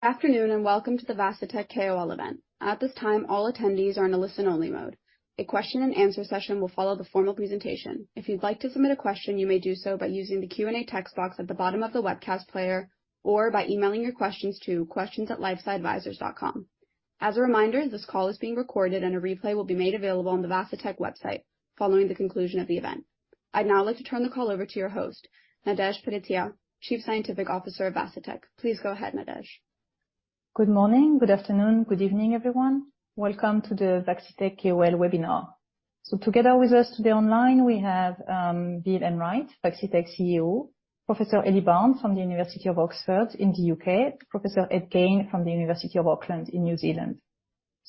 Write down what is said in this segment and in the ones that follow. Good afternoon, and welcome to the Vaccitech KOL event. At this time, all attendees are in a listen-only mode. A question and answer session will follow the formal presentation. If you'd like to submit a question, you may do so by using the Q&A text box at the bottom of the webcast player, or by emailing your questions to questions@lifesciadvisors.com. As a reminder, this call is being recorded and a replay will be made available on the Vaccitech website following the conclusion of the event. I'd now like to turn the call over to your host, Nadège Pelletier, Chief Scientific Officer of Vaccitech. Please go ahead, Nadège. Good morning, good afternoon, good evening, everyone. Welcome to the Vaccitech KOL webinar. Together with us today online, we have Bill Enright, Vaccitech CEO, Professor Ellie Barnes from the University of Oxford in the U.K., Professor Ed Gane from the University of Auckland in New Zealand.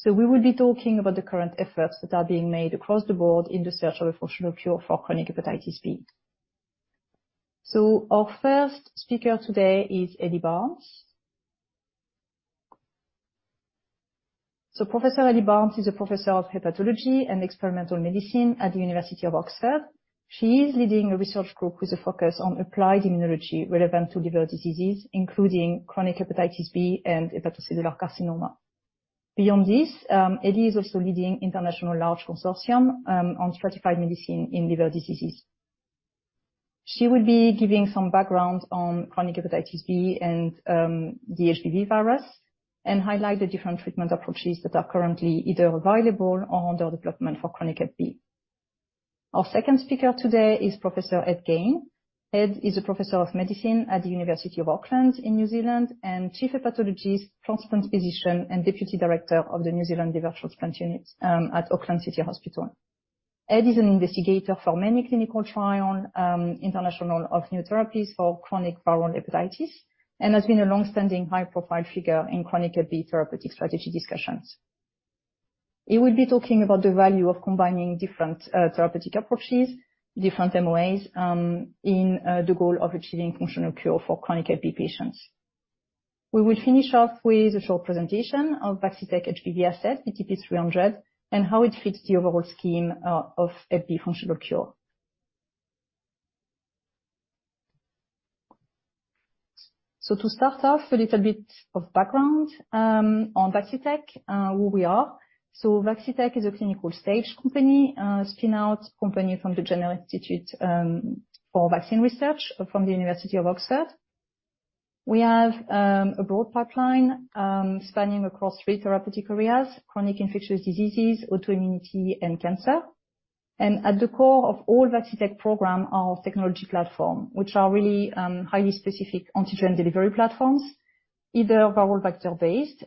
We will be talking about the current efforts that are being made across the board in the search of a functional cure for chronic hepatitis B. Our first speaker today is Ellie Barnes. Professor Ellie Barnes is a Professor of Hepatology and Experimental Medicine at the University of Oxford. She is leading a research group with a focus on applied immunology relevant to liver diseases, including chronic hepatitis B and hepatocellular carcinoma. Beyond this, Ellie is also leading international large consortium on stratified medicine in liver diseases. She will be giving some background on chronic hepatitis B and, the HBV virus, and highlight the different treatment approaches that are currently either available or under development for chronic hep B. Our second speaker today is Professor Ed Gane. Ed is a Professor of Medicine at the University of Auckland in New Zealand, and Chief Hepatologist, Transplant Physician, and Deputy Director of the New Zealand Liver Transplant Unit, at Auckland City Hospital. Ed is an investigator for many clinical trial, international of new therapies for chronic viral hepatitis, and has been a long-standing high-profile figure in chronic hep B therapeutic strategy discussions. He will be talking about the value of combining different, therapeutic approaches, different MOAs, in, the goal of achieving functional cure for chronic hep B patients. We will finish off with a short presentation of Vaccitech HBV asset, VTP-300, and how it fits the overall scheme of hep B functional cure. To start off, a little bit of background on Vaccitech, who we are. Vaccitech is a clinical stage company, a spin-out company from the Jenner Institute for Vaccine Research from the University of Oxford. We have a broad pipeline spanning across three therapeutic areas: chronic infectious diseases, autoimmunity, and cancer. At the core of all Vaccitech program, our technology platform, which are really highly specific antigen delivery platforms, either viral vector-based,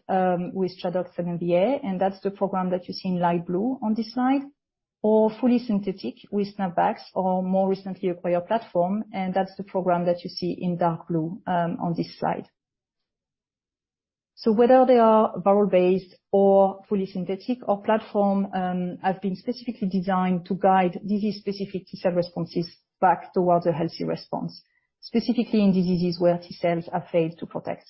with ChAdOx1 and MVA, and that's the program that you see in light blue on this slide, or fully synthetic with SNAPvax or more recently acquired platform, and that's the program that you see in dark blue on this slide. So whether they are viral-based or fully synthetic, our platform have been specifically designed to guide disease-specific T cell responses back towards a healthy response, specifically in diseases where T cells are failed to protect.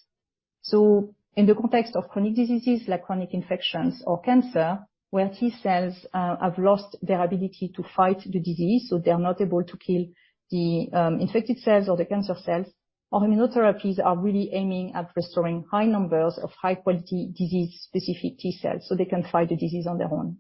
So in the context of chronic diseases like chronic infections or cancer, where T cells have lost their ability to fight the disease, so they are not able to kill the infected cells or the cancer cells, our immunotherapies are really aiming at restoring high numbers of high-quality disease-specific T cells, so they can fight the disease on their own.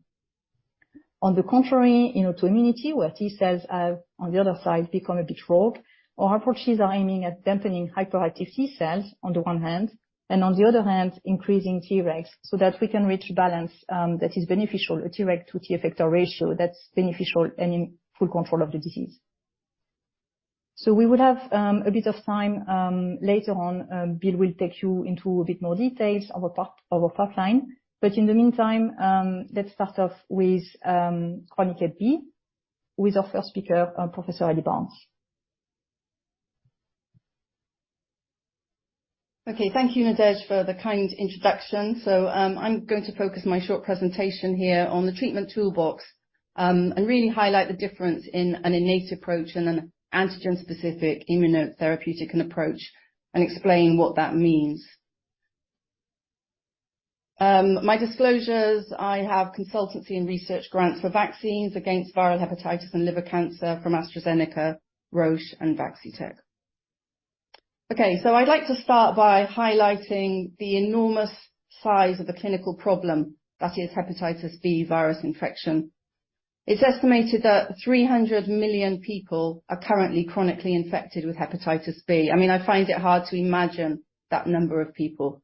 On the contrary, in autoimmunity, where T cells have, on the other side, become a bit rogue, our approaches are aiming at dampening hyperactive T cells on the one hand, and on the other hand, increasing Tregs, so that we can reach a balance that is beneficial, a Treg to T effector ratio that's beneficial and in full control of the disease. So we will have a bit of time later on. Bill will take you into a bit more details of our pipeline. But in the meantime, let's start off with chronic hep B with our first speaker, Professor Ellie Barnes. Okay. Thank you, Nadège, for the kind introduction. So, I'm going to focus my short presentation here on the treatment toolbox, and really highlight the difference in an innate approach and an antigen-specific immunotherapeutic approach, and explain what that means. My disclosures, I have consultancy and research grants for vaccines against viral hepatitis and liver cancer from AstraZeneca, Roche, and Vaccitech. Okay, so I'd like to start by highlighting the enormous size of the clinical problem that is hepatitis B virus infection. It's estimated that 300 million people are currently chronically infected with hepatitis B. I mean, I find it hard to imagine that number of people.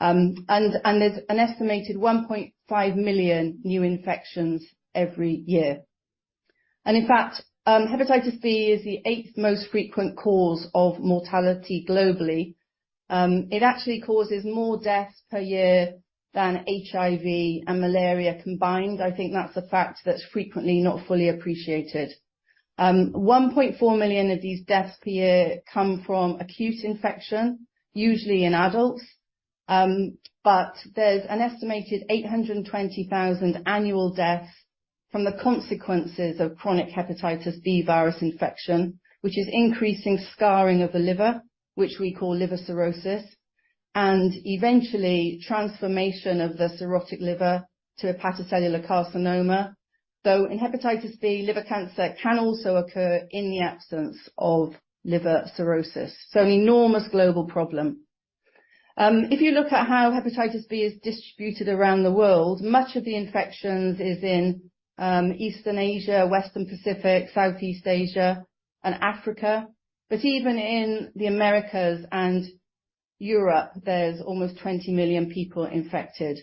And there's an estimated 1.5 million new infections every year. And in fact, hepatitis B is the eighth most frequent cause of mortality globally. It actually causes more deaths per year than HIV and malaria combined. I think that's a fact that's frequently not fully appreciated. One point four million of these deaths per year come from acute infection, usually in adults. There's an estimated 820,000 annual deaths from the consequences of chronic hepatitis B virus infection, which is increasing scarring of the liver, which we call liver cirrhosis, and eventually transformation of the cirrhotic liver to hepatocellular carcinoma. In hepatitis B, liver cancer can also occur in the absence of liver cirrhosis, so an enormous global problem. If you look at how hepatitis B is distributed around the world, much of the infections is in Eastern Asia, Western Pacific, Southeast Asia and Africa. Even in the Americas and Europe, there's almost 20 million people infected.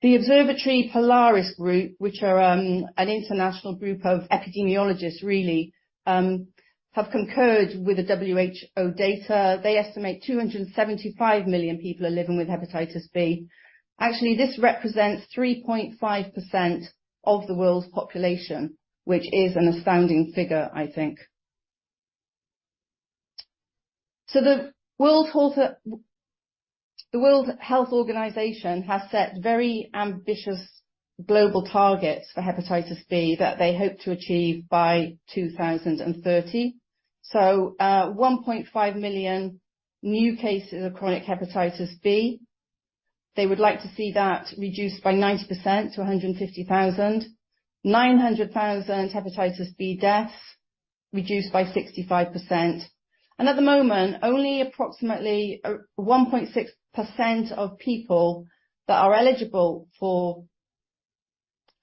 The Polaris Observatory Group, which are an international group of epidemiologists, really have concurred with the WHO data. They estimate 275 million people are living with hepatitis B. Actually, this represents 3.5% of the world's population, which is an astounding figure, I think. The World Health Organization has set very ambitious global targets for hepatitis B that they hope to achieve by 2030. One point five million new cases of chronic hepatitis B, they would like to see that reduced by 90% to 150,000. 900,000 hepatitis B deaths reduced by 65%, and at the moment, only approximately 1.6% of people that are eligible for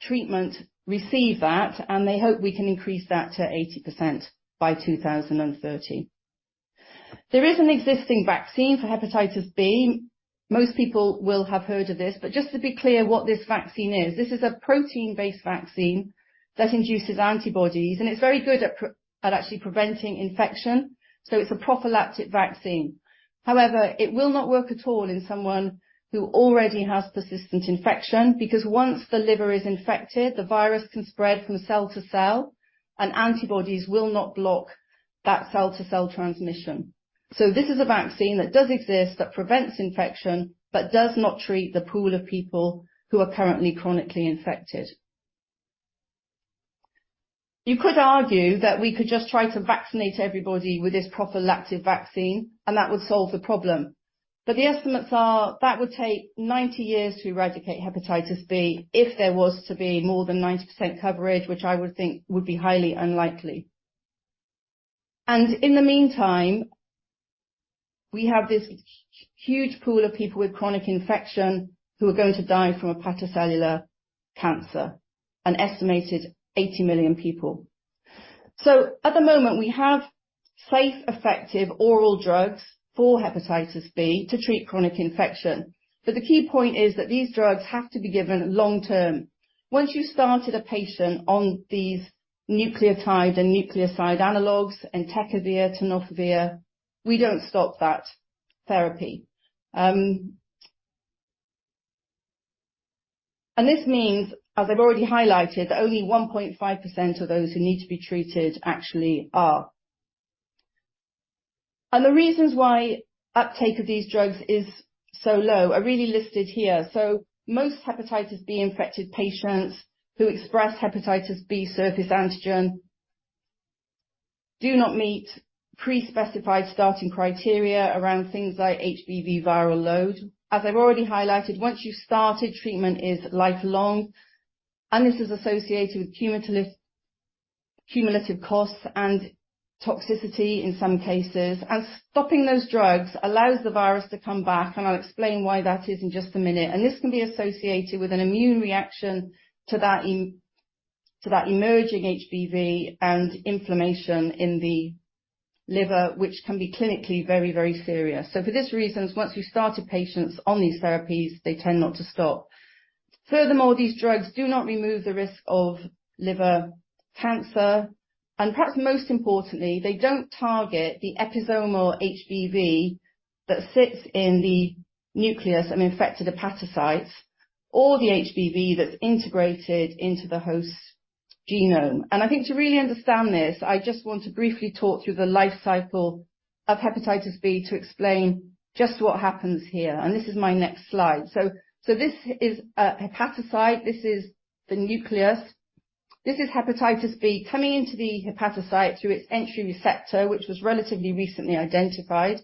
treatment receive that, and they hope we can increase that to 80% by 2030. There is an existing vaccine for hepatitis B. Most people will have heard of this, but just to be clear what this vaccine is, this is a protein-based vaccine that induces antibodies, and it's very good at actually preventing infection, so it's a prophylactic vaccine. However, it will not work at all in someone who already has persistent infection, because once the liver is infected, the virus can spread from cell to cell, and antibodies will not block that cell-to-cell transmission. So this is a vaccine that does exist, that prevents infection, but does not treat the pool of people who are currently chronically infected. You could argue that we could just try to vaccinate everybody with this prophylactic vaccine, and that would solve the problem, but the estimates are that would take 90 years to eradicate hepatitis B if there was to be more than 90% coverage, which I would think would be highly unlikely. And in the meantime, we have this huge pool of people with chronic infection who are going to die from hepatocellular cancer, an estimated 80 million people. So at the moment, we have safe, effective oral drugs for hepatitis B to treat chronic infection. But the key point is that these drugs have to be given long-term. Once you've started a patient on these nucleotide and nucleoside analogues, entecavir, tenofovir, we don't stop that therapy. And this means, as I've already highlighted, that only 1.5% of those who need to be treated actually are. And the reasons why uptake of these drugs is so low are really listed here. So most hepatitis B-infected patients who express hepatitis B surface antigen do not meet pre-specified starting criteria around things like HBV viral load. As I've already highlighted, once you've started, treatment is lifelong, and this is associated with cumulative costs and toxicity in some cases, and stopping those drugs allows the virus to come back, and I'll explain why that is in just a minute. And this can be associated with an immune reaction to that emerging HBV and inflammation in the liver, which can be clinically very, very serious. For these reasons, once we've started patients on these therapies, they tend not to stop. Furthermore, these drugs do not remove the risk of liver cancer, and perhaps most importantly, they don't target the episomal HBV that sits in the nucleus of infected hepatocytes or the HBV that's integrated into the host's genome. I think to really understand this, I just want to briefly talk through the life cycle of hepatitis B to explain just what happens here, and this is my next slide. This is a hepatocyte. This is the nucleus. This is hepatitis B coming into the hepatocyte through its entry receptor, which was relatively recently identified,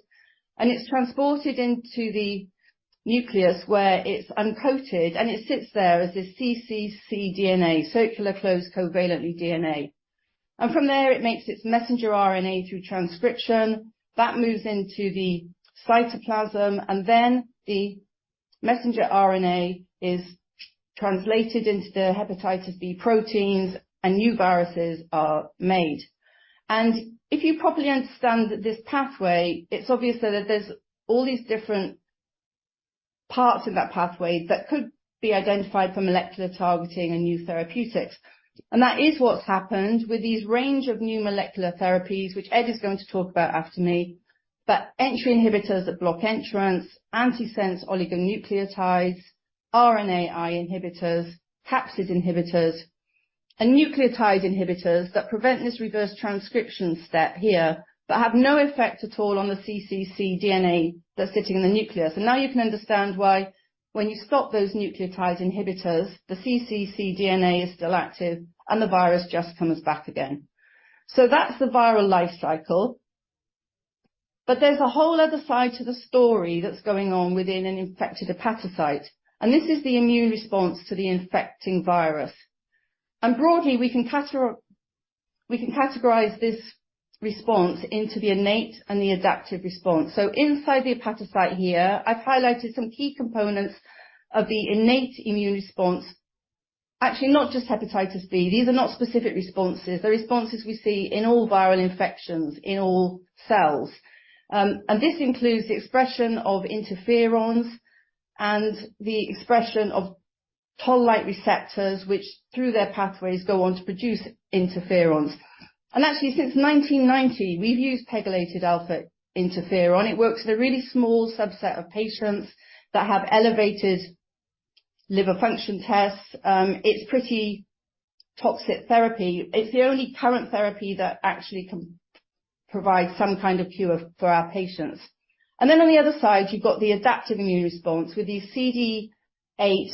and it's transported into the nucleus, where it's uncoated, and it sits there as this cccDNA, covalently closed circular DNA. From there, it makes its messenger RNA through transcription. That moves into the cytoplasm, and then the messenger RNA is translated into the hepatitis B proteins, and new viruses are made. If you properly understand this pathway, it's obvious that there's all these different parts of that pathway that could be identified for molecular targeting and new therapeutics. That is what's happened with these range of new molecular therapies, which Ed is going to talk about after me, entry inhibitors that block entrance, antisense oligonucleotides, RNAi inhibitors, capsid inhibitors, and nucleotide inhibitors that prevent this reverse transcription step here, but have no effect at all on the cccDNA that's sitting in the nucleus. Now you can understand why, when you stop those nucleotide inhibitors, the cccDNA is still active, and the virus just comes back again. That's the viral life cycle.... There's a whole other side to the story that's going on within an infected hepatocyte, and this is the immune response to the infecting virus. Broadly, we can categorize this response into the innate and the adaptive response. Inside the hepatocyte here, I've highlighted some key components of the innate immune response. Actually, not just hepatitis B. These are not specific responses, they're responses we see in all viral infections, in all cells. This includes the expression of interferons and the expression of toll-like receptors, which, through their pathways, go on to produce interferons. Actually, since 1990, we've used pegylated alpha interferon. It works in a really small subset of patients that have elevated liver function tests. It's pretty toxic therapy. It's the only current therapy that actually can provide some kind of cure for our patients. And then on the other side, you've got the adaptive immune response with these CD8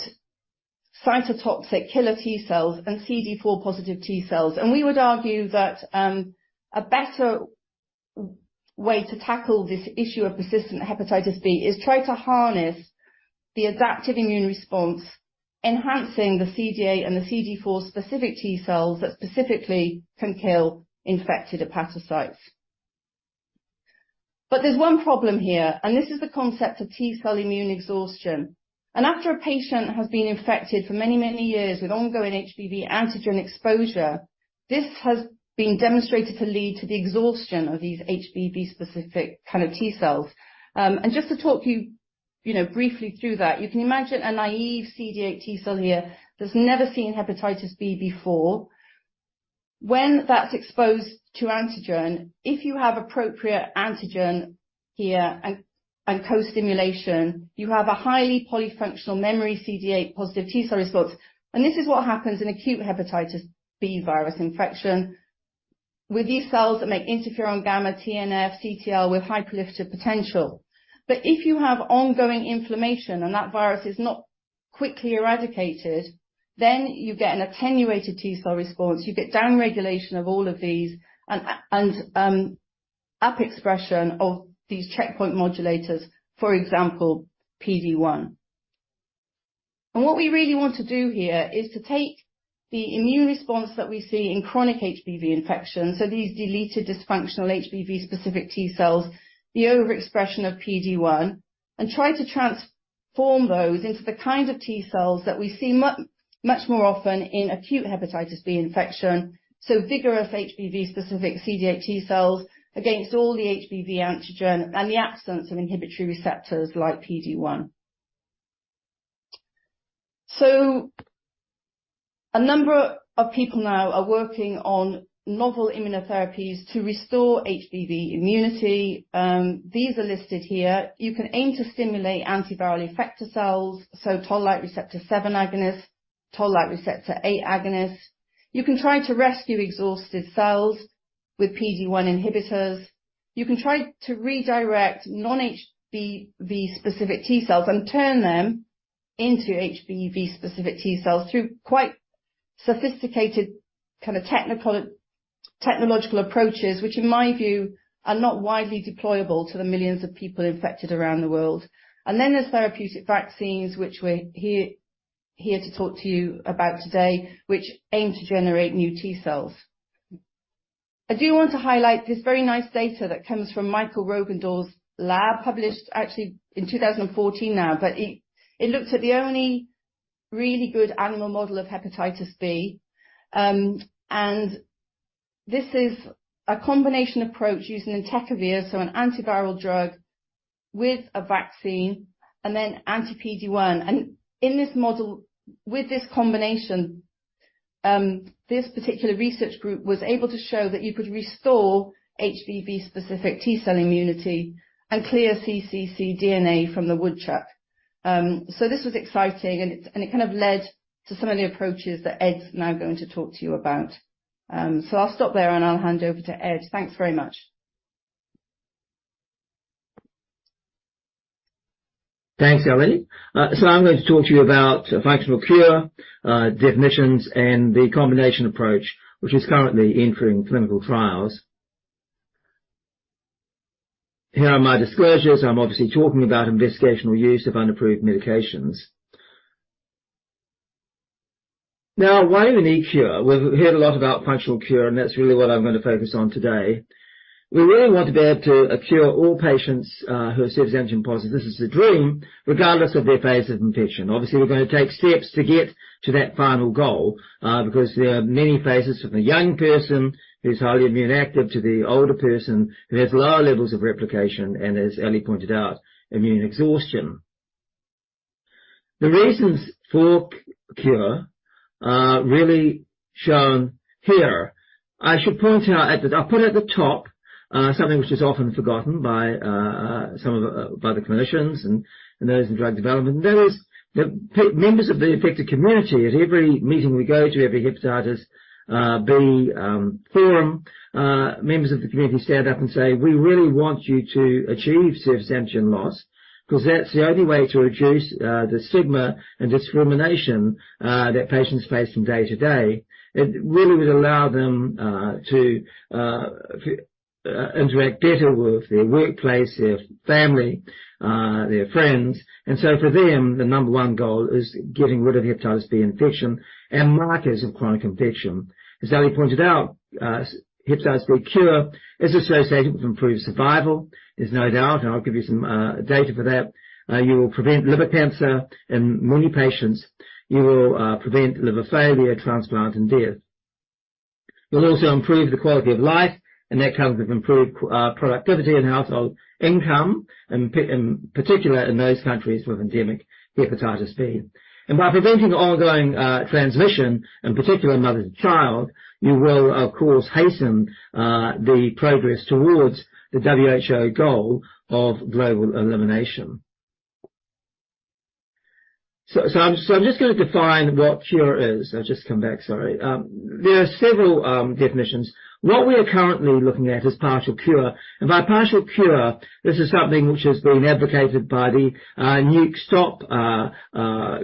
cytotoxic killer T cells and CD4 positive T cells. We would argue that a better way to tackle this issue of persistent hepatitis B is try to harness the adaptive immune response, enhancing the CD8 and the CD4 specific T cells that specifically can kill infected hepatocytes. But there's one problem here, and this is the concept of T cell immune exhaustion. After a patient has been infected for many, many years with ongoing HBV antigen exposure, this has been demonstrated to lead to the exhaustion of these HBV-specific kind of T cells. And just to talk you, you know, briefly through that, you can imagine a naive CD8 T cell here that's never seen hepatitis B before. When that's exposed to antigen, if you have appropriate antigen here and co-stimulation, you have a highly polyfunctional memory CD8 positive T cell response, and this is what happens in acute hepatitis B virus infection. With these cells that make interferon gamma, TNF, CTL with high proliferative potential. But if you have ongoing inflammation and that virus is not quickly eradicated, then you get an attenuated T cell response. You get downregulation of all of these and up, and up expression of these checkpoint modulators, for example, PD-1. What we really want to do here is to take the immune response that we see in chronic HBV infection, so these deleted dysfunctional HBV-specific T cells, the overexpression of PD-1, and try to transform those into the kind of T cells that we see much more often in acute hepatitis B infection, so vigorous HBV-specific CD8 T cells against all the HBV antigen and the absence of inhibitory receptors like PD-1. A number of people now are working on novel immunotherapies to restore HBV immunity. These are listed here. You can aim to stimulate antiviral effector cells, so toll-like receptor 7 agonist, toll-like receptor 8 agonist. You can try to rescue exhausted cells with PD-1 inhibitors. You can try to redirect non-HBV-specific T cells and turn them into HBV-specific T cells through quite sophisticated kind of technical, technological approaches, which, in my view, are not widely deployable to the millions of people infected around the world. Then there's therapeutic vaccines, which we're here to talk to you about today, which aim to generate new T cells. I do want to highlight this very nice data that comes from Michael Roggendorf's lab, published actually in 2014 now, but it looked at the only really good animal model of hepatitis B. And this is a combination approach using Entecavir, so an antiviral drug with a vaccine and then anti-PD-1. And in this model, with this combination, this particular research group was able to show that you could restore HBV-specific T cell immunity and clear cccDNA from the woodchuck. So this was exciting, and it kind of led to some of the approaches that Ed's now going to talk to you about. So I'll stop there, and I'll hand over to Ed. Thanks very much. Thanks, Ellie. I'm going to talk to you about functional cure, definitions, and the combination approach, which is currently entering clinical trials. Here are my disclosures. I'm obviously talking about investigational use of unapproved medications. Now, why do we need cure? We've heard a lot about functional cure, and that's really what I'm going to focus on today. We really want to be able to cure all patients who are surface antigen positive. This is the dream, regardless of their phase of infection. Obviously, we're going to take steps to get to that final goal, because there are many phases from the young person who's highly immune active, to the older person who has lower levels of replication, and as Ellie pointed out, immune exhaustion. The reasons for cure are really shown here. I should point out at the... I'll put at the top, something which is often forgotten by some of the, by the clinicians and those in drug development, and that is the members of the affected community. At every meeting we go to, every hepatitis B forum, members of the community stand up and say: We really want you to achieve surface antigen loss because that's the only way to reduce the stigma and discrimination that patients face from day to day. It really would allow them to interact better with their workplace, their family, their friends. For them, the number one goal is getting rid of hepatitis B infection and markers of chronic infection. As Ellie pointed out, hepatitis B cure is associated with improved survival. There's no doubt, and I'll give you some data for that. You will prevent liver cancer, in many patients, you will prevent liver failure, transplant, and death. You'll also improve the quality of life, and that comes with improved productivity and household income, in particular, in those countries with endemic hepatitis B. And by preventing ongoing transmission, in particular mother to child, you will, of course, hasten the progress towards the WHO goal of global elimination. So I'm just gonna define what cure is. I'll just come back, sorry. There are several definitions. What we are currently looking at is partial cure, and by partial cure, this is something which has been advocated by the NUC stop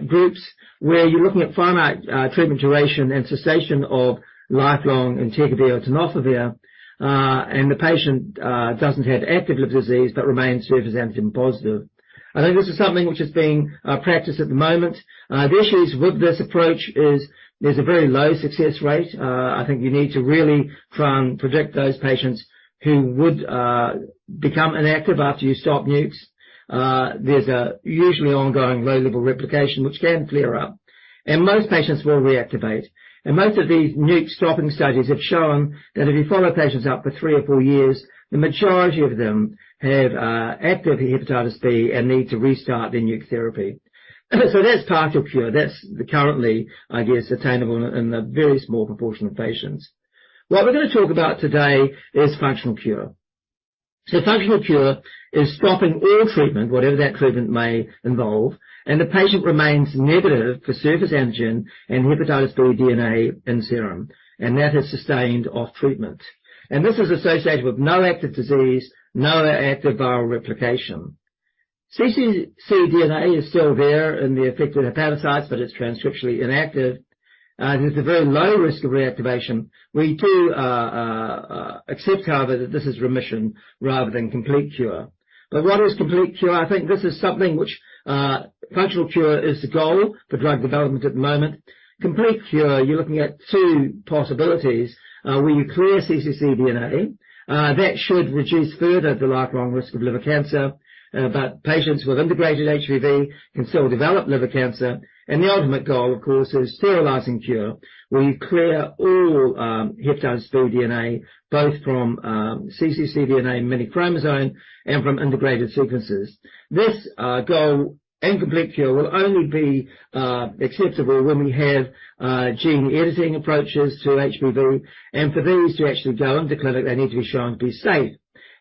groups, where you're looking at finite treatment duration and cessation of lifelong entecavir or tenofovir. And the patient doesn't have active liver disease but remains surface antigen positive. I think this is something which is being practiced at the moment. The issues with this approach is there's a very low success rate. I think you need to really try and predict those patients who would become inactive after you stop NUCs. There's usually ongoing low-level replication, which can clear up, and most patients will reactivate. And most of these NUCs stopping studies have shown that if you follow patients up for three or four years, the majority of them have active hepatitis B and need to restart their NUC therapy. So that's partial cure. That's the currently, I guess, attainable in a very small proportion of patients. What we're gonna talk about today is functional cure. Functional cure is stopping all treatment, whatever that treatment may involve, and the patient remains negative for surface antigen and hepatitis B DNA in serum, and that is sustained off treatment. This is associated with no active disease, no active viral replication. cccDNA is still there in the affected hepatocytes, but it's transcriptionally inactive. There's a very low risk of reactivation. We do accept, however, that this is remission rather than complete cure. What is complete cure? I think this is something which, functional cure is the goal for drug development at the moment. Complete cure, you're looking at two possibilities. Where you clear cccDNA, that should reduce further the lifelong risk of liver cancer. But patients with integrated HBV can still develop liver cancer, and the ultimate goal, of course, is sterilizing cure, where you clear all, hepatitis B DNA, both from, cccDNA mini chromosome and from integrated sequences. This goal and complete cure will only be acceptable when we have gene editing approaches to HBV, and for these to actually go into clinic, they need to be shown to be safe.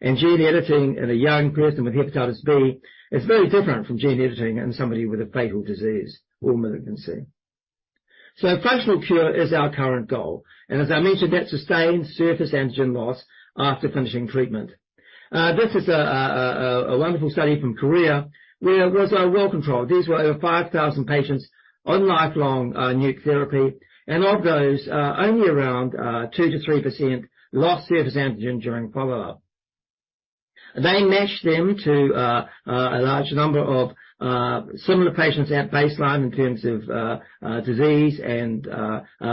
Gene editing in a young person with hepatitis B is very different from gene editing in somebody with a fatal disease or malignancy. So functional cure is our current goal, and as I mentioned, that's sustained surface antigen loss after finishing treatment. This is a wonderful study from Korea where it was well-controlled. These were over 5,000 patients on lifelong NUC therapy, and of those, only around 2%-3% lost surface antigen during follow-up. They matched them to a large number of similar patients at baseline in terms of disease and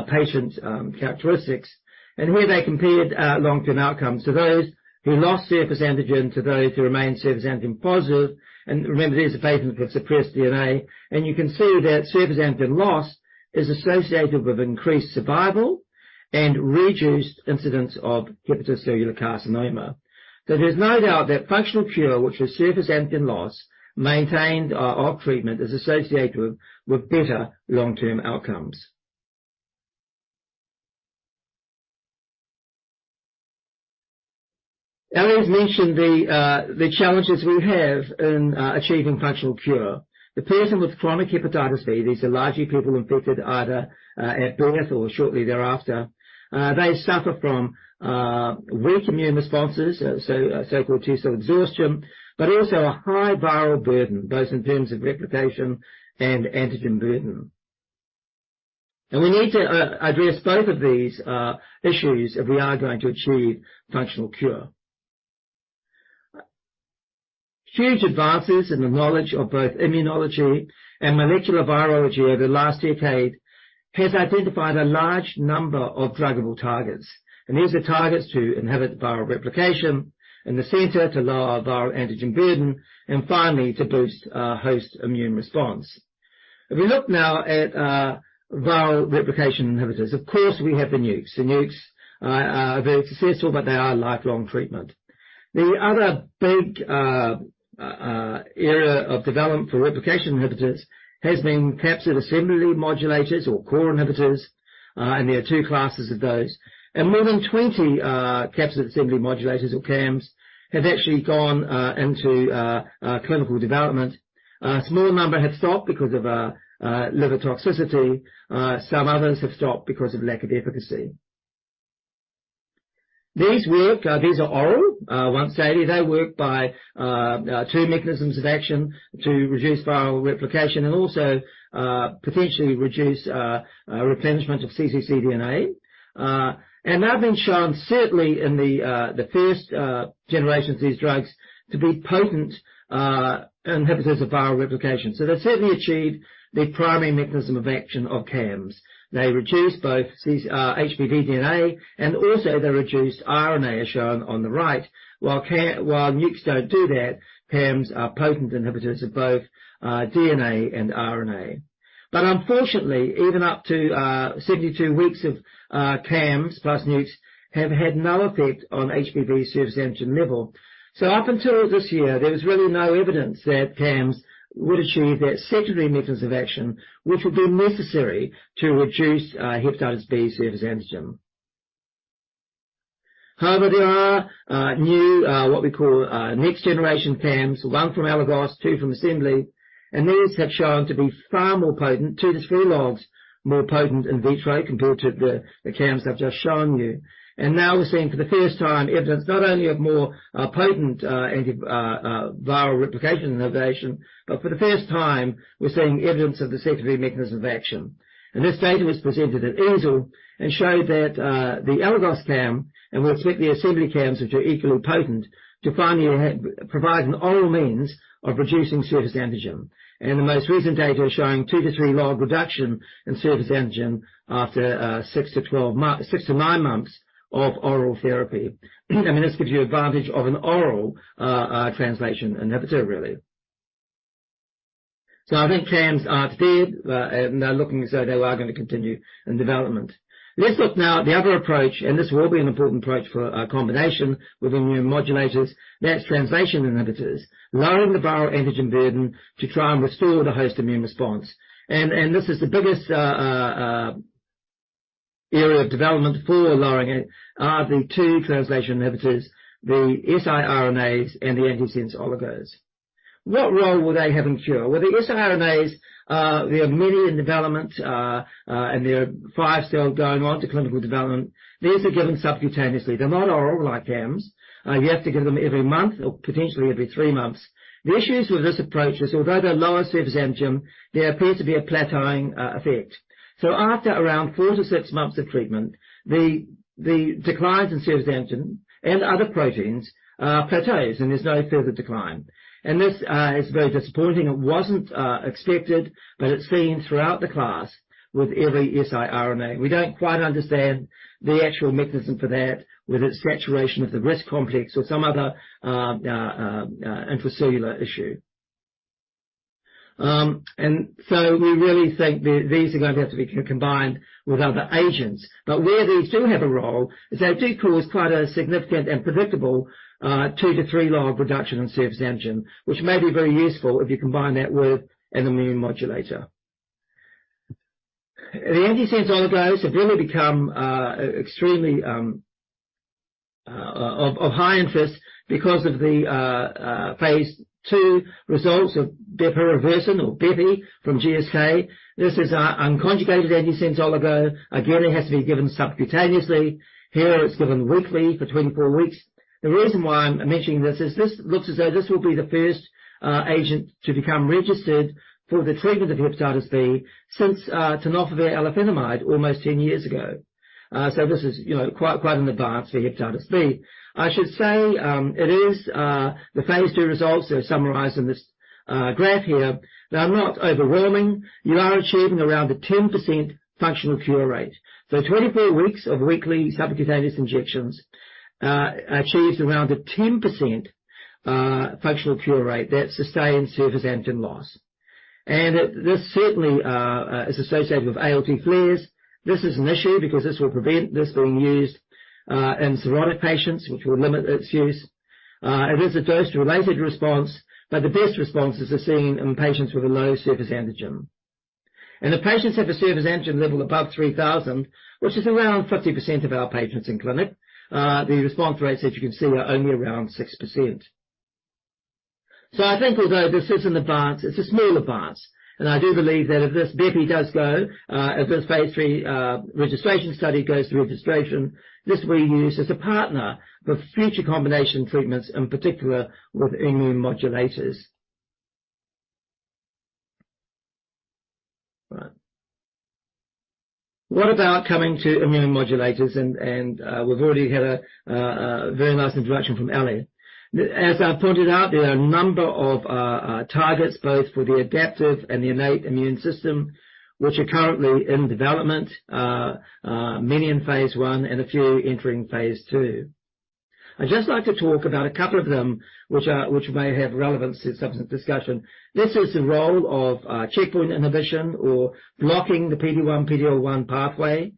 patient characteristics. And where they compared long-term outcomes to those who lost surface antigen, to those who remained surface antigen positive, and remember, these are patients with suppressed DNA, and you can see that surface antigen loss is associated with increased survival and reduced incidence of hepatocellular carcinoma. There is no doubt that functional cure, which is surface antigen loss, maintained off treatment, is associated with better long-term outcomes. Ellie has mentioned the challenges we have in achieving functional cure. The person with chronic hepatitis B, these are largely people infected either at birth or shortly thereafter. They suffer from weak immune responses, so-called T cell exhaustion, but also a high viral burden, both in terms of replication and antigen burden. We need to address both of these issues if we are going to achieve functional cure. Huge advances in the knowledge of both immunology and molecular virology over the last decade has identified a large number of druggable targets. These are targets to inhibit viral replication, in the center, to lower viral antigen burden, and finally, to boost host immune response. If we look now at viral replication inhibitors, of course, we have the NUCs. The NUCs are very successful, but they are a lifelong treatment. The other big area of development for replication inhibitors has been capsid assembly modulators or core inhibitors, and there are two classes of those. More than 20 capsid assembly modulators or CAMs have actually gone into clinical development. A small number have stopped because of liver toxicity. Some others have stopped because of lack of efficacy. These work, these are oral, once daily. They work by two mechanisms of action to reduce viral replication and also potentially reduce replenishment of cccDNA. They've been shown, certainly in the first generation of these drugs, to be potent inhibitors of viral replication. They've certainly achieved the primary mechanism of action of CAMs. They reduce both these, HBV DNA, and also they reduce RNA, as shown on the right. While Nucs don't do that, CAMs are potent inhibitors of both, DNA and RNA. But unfortunately, even up to 72 weeks of CAMs plus Nucs, have had no effect on HBV surface antigen level. So up until this year, there was really no evidence that CAMs would achieve that secondary mechanism of action, which would be necessary to reduce hepatitis B surface antigen. However, there are new, what we call, next generation CAMs, one from Aligos, two from Assembly, and these have shown to be far more potent, 2-3 logs more potent in vitro compared to the CAMs I've just shown you. We're seeing, for the first time, evidence not only of more potent anti-viral replication inhibition, but for the first time, we're seeing evidence of the secondary mechanism of action. This data was presented at EASL and showed that the Aligos CAM, and we expect the Assembly CAMs, which are equally potent, to finally provide an oral means of reducing surface antigen. The most recent data is showing 2-3 log reduction in surface antigen after six to 12 months... six to nine months of oral therapy. I mean, this gives you advantage of an oral translation inhibitor, really. I think CAMs are here, and they're looking as though they are going to continue in development. Let's look now at the other approach, and this will be an important approach for a combination with immunomodulators. That's translation inhibitors, lowering the viral antigen burden to try and restore the host immune response. This is the biggest area of development for lowering it, are the two translation inhibitors, the siRNAs and the antisense oligos. What role will they have in cure? Well, the siRNAs, there are many in development, and there are five still going on to clinical development. These are given subcutaneously. They're not oral like CAMs. You have to give them every month or potentially every three months. The issues with this approach is, although they lower surface antigen, there appears to be a plateauing effect. After around 4-6 months of treatment, the declines in surface antigen and other proteins plateaus, and there's no further decline. This is very disappointing. It wasn't expected, but it's seen throughout the class with every siRNA. We don't quite understand the actual mechanism for that, whether it's saturation of the RISC complex or some other intracellular issue. And so we really think that these are going to have to be co-combined with other agents. But where these do have a role, is they do cause quite a significant and predictable 2-3-log reduction in surface antigen, which may be very useful if you combine that with an immunomodulator. The antisense oligos have really become extremely of high interest because of the phase II results of bepirovirsen or Bepi from GSK. This is unconjugated antisense oligo. Again, it has to be given subcutaneously. Here, it's given weekly for 24 weeks. The reason why I'm mentioning this is, this looks as though this will be the first agent to become registered for the treatment of hepatitis B since tenofovir alafenamide almost 10 years ago. So this is, you know, quite, quite an advance for hepatitis B. I should say, it is the phase two results, they're summarized in this graph here. They are not overwhelming. You are achieving around a 10% functional cure rate. So 24 weeks of weekly subcutaneous injections achieves around a 10% functional cure rate that sustains surface antigen loss. And it- this certainly is associated with ALT flares. This is an issue because this will prevent this being used in cirrhotic patients, which will limit its use. It is a dose-related response, but the best responses are seen in patients with a low surface antigen. And the patients have a surface antigen level above 3,000, which is around 50% of our patients in clinic. The response rates, as you can see, are only around 6%. So I think although this is an advance, it's a small advance, and I do believe that if this Bepi does go, if this phase III registration study goes to registration, this will be used as a partner for future combination treatments, in particular with immunomodulators. Right. What about coming to immunomodulators? We've already had a very nice introduction from Ellie. As I pointed out, there are a number of targets, both for the adaptive and the innate immune system, which are currently in development, many in phase I and a few entering phase II. I'd just like to talk about a couple of them, which may have relevance to subsequent discussion. This is the role of checkpoint inhibition or blocking the PD-1, PD-L1 pathway.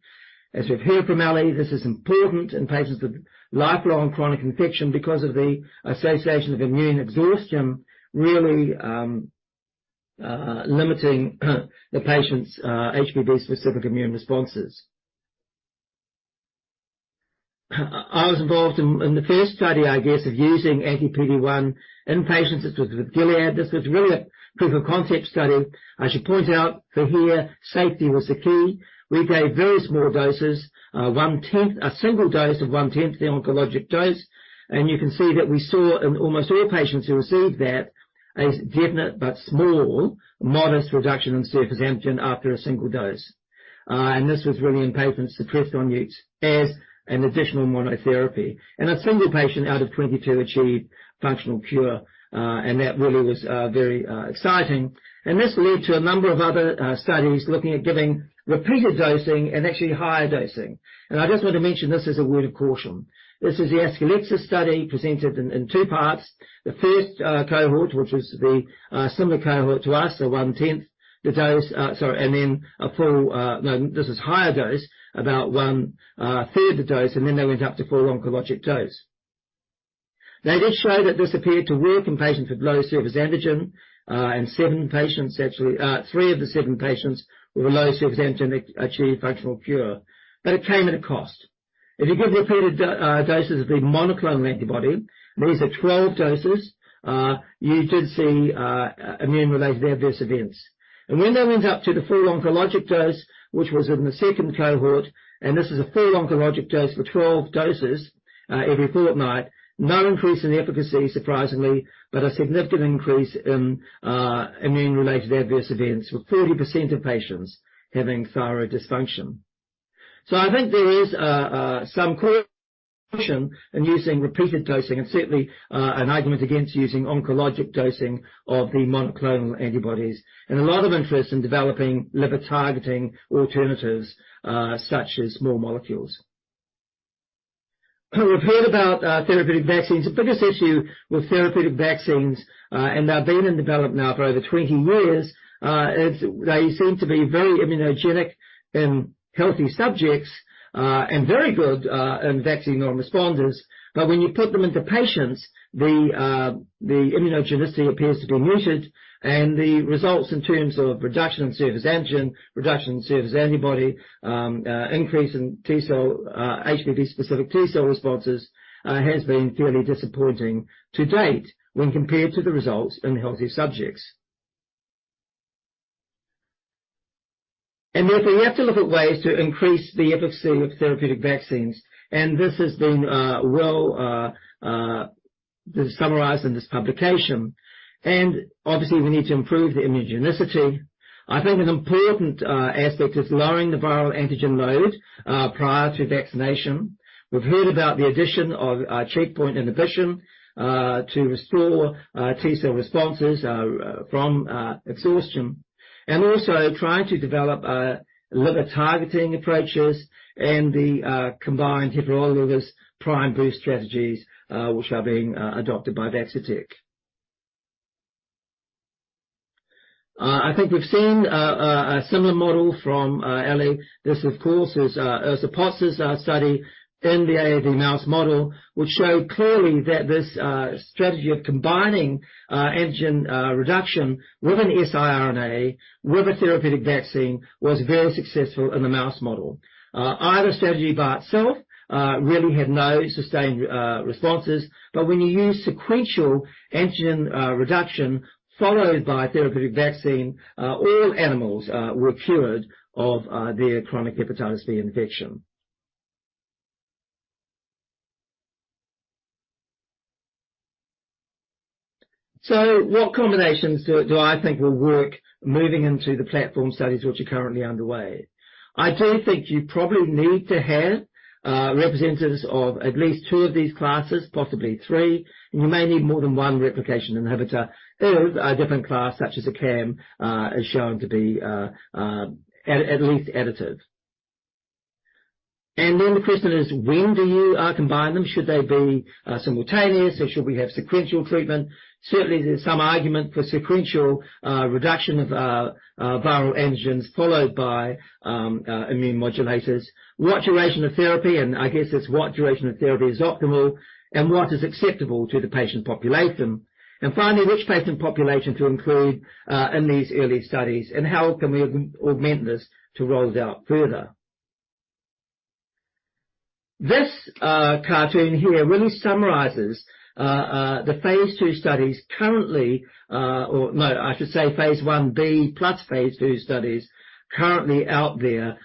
As we've heard from Ellie, this is important in patients with lifelong chronic infection because of the association of immune exhaustion, really limiting the patient's HBV-specific immune responses.... I was involved in the first study, I guess, of using anti-PD-1 in patients. This was with Gilead. This was really a proof of concept study. I should point out for here, safety was the key. We gave very small doses, one-tenth, a single dose of one-tenth the oncologic dose, and you can see that we saw in almost all patients who received that, a definite but small, modest reduction in surface antigen after a single dose. And this was really in patients suppressed on NUC as an additional monotherapy. And a single patient out of 22 achieved functional cure, and that really was, very, exciting. And this led to a number of other studies looking at giving repeated dosing and actually higher dosing. And I just want to mention this as a word of caution. This is the Ascletis study, presented in two parts. The first, cohort, which was the, similar cohort to us, so one-tenth the dose... Sorry, and then a full, this is higher dose, about one-third the dose, and then they went up to full oncologic dose. Now, this showed that this appeared to work in patients with low surface antigen, and seven patients actually, three of the seven patients with low surface antigen achieved functional cure, but it came at a cost. If you give repeated doses of the monoclonal antibody, and these are 12 doses, you did see immune-related adverse events. And when they went up to the full oncologic dose, which was in the second cohort, and this is a full oncologic dose of 12 doses, every fortnight, no increase in efficacy, surprisingly, but a significant increase in immune-related adverse events, with 40% of patients having thyroid dysfunction. I think there is some caution in using repeated dosing, and certainly, an argument against using oncologic dosing of the monoclonal antibodies, and a lot of interest in developing liver-targeting alternatives, such as small molecules. We've heard about therapeutic vaccines. The biggest issue with therapeutic vaccines, and they've been in development now for over 20 years, is they seem to be very immunogenic in healthy subjects, and very good in vaccine non-responders. When you put them into patients, the immunogenicity appears to be muted, and the results in terms of reduction in surface antigen, reduction in surface antibody, increase in T cell, HBV specific T cell responses, has been fairly disappointing to date, when compared to the results in healthy subjects. And therefore, we have to look at ways to increase the efficacy of therapeutic vaccines, and this has been well summarized in this publication. Obviously, we need to improve the immunogenicity. I think an important aspect is lowering the viral antigen load prior to vaccination. We've heard about the addition of checkpoint inhibition to restore T cell responses from exhaustion, and also trying to develop liver-targeting approaches and the combined heterologous prime-boost strategies, which are being adopted by Vaccitech. I think we've seen a similar model from Ellie. This, of course, is Ulrike Protzer's study in the AAV mouse model, which showed clearly that this strategy of combining antigen reduction with an siRNA, with a therapeutic vaccine, was very successful in the mouse model. Either strategy by itself really had no sustained responses, but when you use sequential antigen reduction followed by a therapeutic vaccine, all animals were cured of their chronic hepatitis B infection. What combinations do I think will work moving into the platform studies, which are currently underway? I do think you probably need to have representatives of at least two of these classes, possibly three, and you may need more than one replication inhibitor. They are a different class, such as a CAM, is shown to be at least additive. The question is: When do you combine them? Should they be simultaneous, or should we have sequential treatment? Certainly, there's some argument for sequential reduction of viral antigens, followed by immune modulators. What duration of therapy, and I guess it's what duration of therapy is optimal and what is acceptable to the patient population? And finally, which patient population to include in these early studies, and how can we augment this to roll it out further? This cartoon here really summarizes the phase II studies currently. Or no, I should say phase Ib plus phase II studies currently out there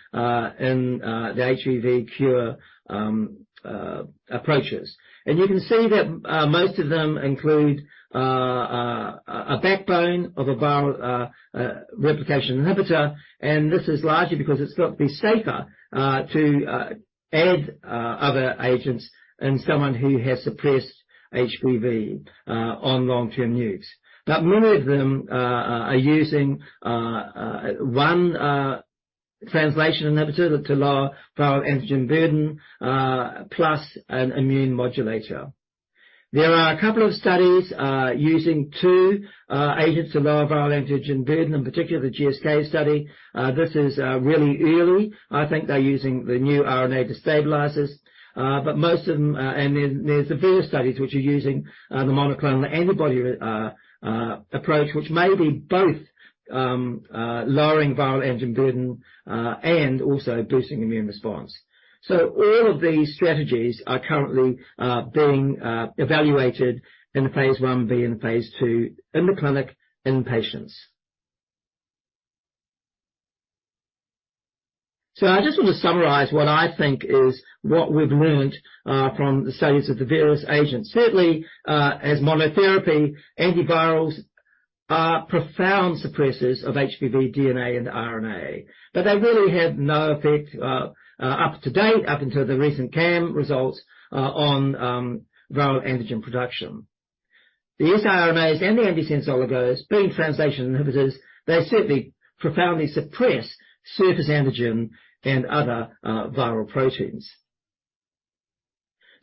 in the HBV cure approaches. And you can see that most of them include a backbone of a viral replication inhibitor, and this is largely because it's got to be safer to add other agents in someone who has suppressed HBV on long-term NUCs. Many of them are using one translation inhibitor to lower viral antigen burden, plus an immune modulator. There are a couple of studies using two agents to lower viral antigen burden, in particular, the GSK study. This is really early. I think they're using the new RNA destabilizers, but most of them... Then there's the Vir studies, which are using the monoclonal antibody approach, which may be both lowering viral antigen burden and also boosting immune response. All of these strategies are currently being evaluated in phase Ib and phase II in the clinic, in patients. I just want to summarize what I think is what we've learned from the studies of the various agents. Certainly, as monotherapy, antivirals are profound suppressors of HBV DNA and RNA, but they really have no effect, up to date, up until the recent CAM results, on viral antigen production. The siRNAs and the antisense oligos, being translation inhibitors, they certainly profoundly suppress surface antigen and other viral proteins.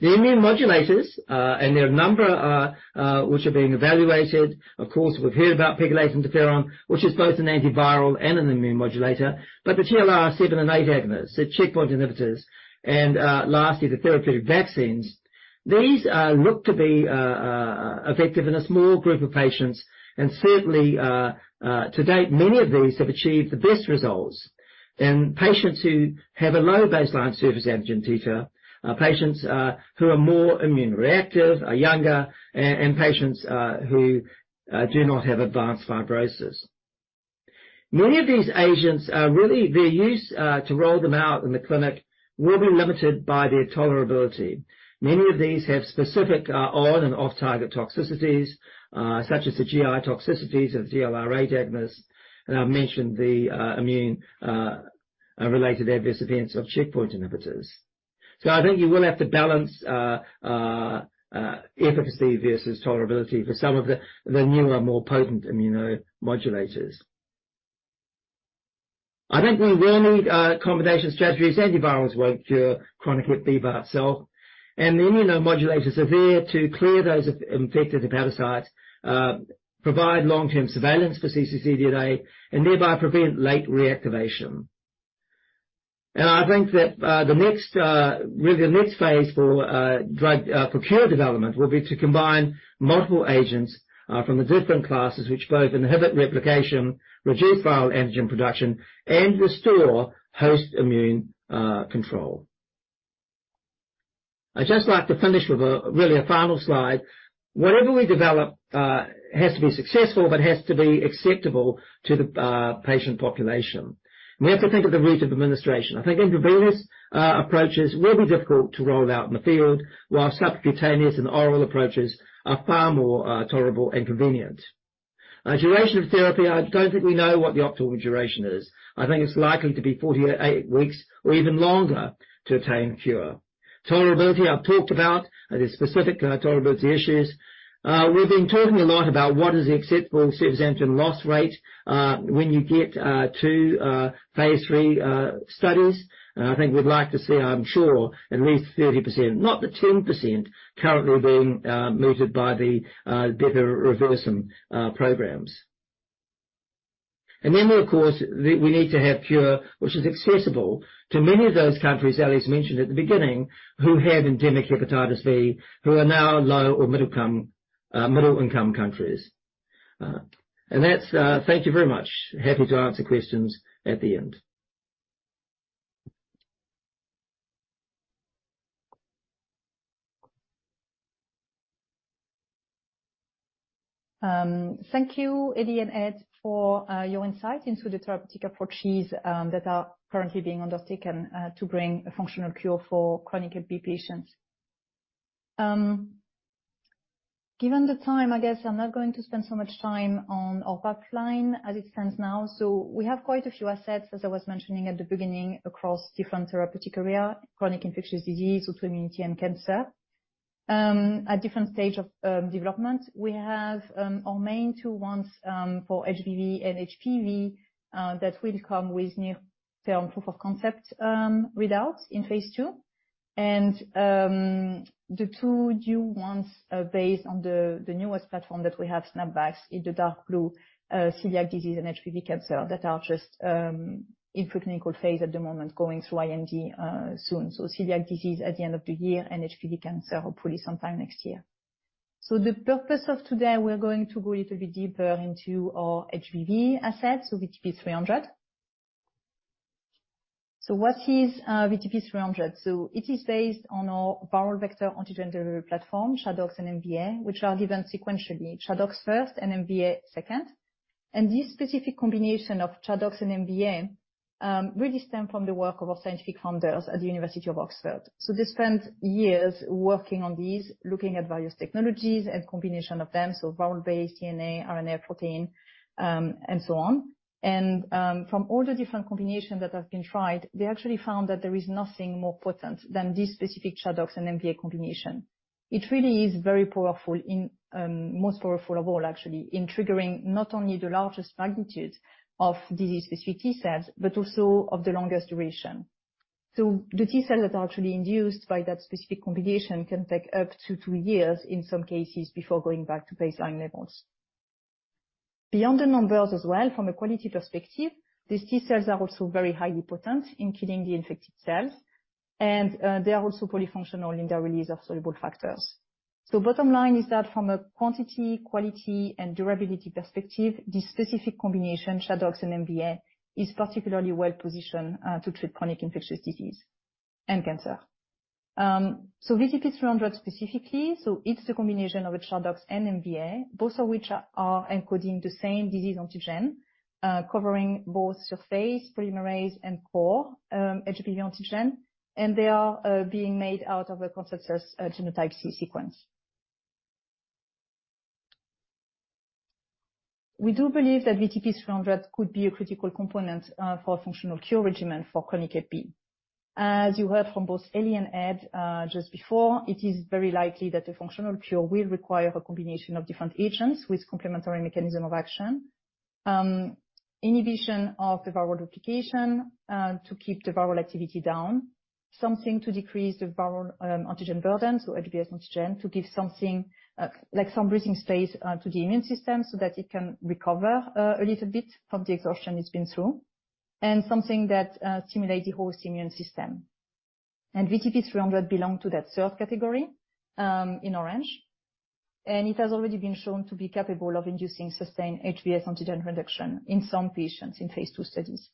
The immune modulators, and there are a number which are being evaluated. Of course, we've heard about pegylated interferon, which is both an antiviral and an immune modulator, but the TLR7 and 8 agonists, the checkpoint inhibitors, and lastly, the therapeutic vaccines, these look to be effective in a small group of patients. Certainly, to date, many of these have achieved the best results in patients who have a low baseline surface antigen titer, patients who are more immune reactive, are younger, and patients who do not have advanced fibrosis. Many of these agents' use to roll them out in the clinic will be limited by their tolerability. Many of these have specific on and off-target toxicities, such as the GI toxicities of TLR8 agonists, and I've mentioned the immune related adverse events of checkpoint inhibitors. So I think you will have to balance efficacy versus tolerability for some of the newer, more potent immunomodulators. I think we will need combination strategies. Antivirals won't cure chronic HBV itself, and the immunomodulators are there to clear those infected hepatocytes, provide long-term surveillance for cccDNA, and thereby prevent late reactivation. I think that the next, really the next phase for drug, for cure development, will be to combine multiple agents from the different classes, which both inhibit replication, reduce viral antigen production, and restore host immune control. I'd just like to finish with a, really, a final slide. Whatever we develop has to be successful, but has to be acceptable to the patient population. We have to think of the route of administration. I think intravenous approaches will be difficult to roll out in the field, while subcutaneous and oral approaches are far more tolerable and convenient. Duration of therapy, I don't think we know what the optimal duration is. I think it's likely to be 48 weeks or even longer to attain cure. Tolerability, I've talked about, the specific tolerability issues. We've been talking a lot about what is the acceptable surface antigen loss rate, when you get to phase III studies. And I think we'd like to see, I'm sure, at least 30%, not the 10% currently being mooted by the bepirovirsen programs. And then, of course, we need to have cure, which is accessible to many of those countries Alice mentioned at the beginning, who have endemic hepatitis B, who are now low or middle-income countries. And that's... Thank you very much. Happy to answer questions at the end. Thank you, Ellie and Ed, for your insight into the therapeutic approaches that are currently being undertaken to bring a functional cure for chronic HBV patients. Given the time, I guess I'm not going to spend so much time on our pipeline as it stands now. So we have quite a few assets, as I was mentioning at the beginning, across different therapeutic areas: chronic infectious diseases, autoimmunity, and cancer. At different stage of development, we have our main two ones for HBV and HPV that will come with near-term proof of concept results in phase two. The two new ones are based on the newest platform that we have, SNAPvax, in the dark blue, celiac disease and HPV cancer, that are just in pre-clinical phase at the moment, going through IND soon. Celiac disease at the end of the year, and HPV cancer hopefully sometime next year. The purpose of today, we're going to go a little bit deeper into our HBV assets, so VTP-300. What is VTP-300? It is based on our viral vector antigen delivery platform, ChAdOx1 and MVA, which are given sequentially, ChAdOx1 first and MVA second. This specific combination of ChAdOx1 and MVA really stem from the work of our scientific founders at the University of Oxford. They spent years working on these, looking at various technologies and combination of them, so viral-based DNA, RNA, protein, and so on. From all the different combinations that have been tried, they actually found that there is nothing more potent than this specific ChAdOx1 and MVA combination. It really is very powerful in, most powerful of all, actually, in triggering not only the largest magnitude of disease-specific T cells, but also of the longest duration. So the T cells that are actually induced by that specific combination can take up to two years in some cases before going back to baseline levels. Beyond the numbers as well, from a quality perspective, these T cells are also very highly potent in killing the infected cells, and they are also polyfunctional in their release of soluble factors. So bottom line is that from a quantity, quality, and durability perspective, this specific combination, ChAdOx1 and MVA, is particularly well positioned, to treat chronic infectious disease and cancer.... VTP-300 specifically, it's the combination of ChAdOx1 and MVA, both of which are encoding the same disease antigen, covering both surface, polymerase, and core, HBsAg antigen, and they are being made out of a consensus genotype C sequence. We do believe that VTP-300 could be a critical component for functional cure regimen for chronic HB. As you heard from both Ellie and Ed just before, it is very likely that a functional cure will require a combination of different agents with complementary mechanism of action. Inhibition of the viral replication to keep the viral activity down, something to decrease the viral antigen burden, so HBsAg, to give something like some breathing space to the immune system, so that it can recover a little bit from the exhaustion it's been through, and something that stimulates the host immune system. VTP-300 belong to that third category, in orange, and it has already been shown to be capable of inducing sustained HBsAg reduction in some patients in phase II studies.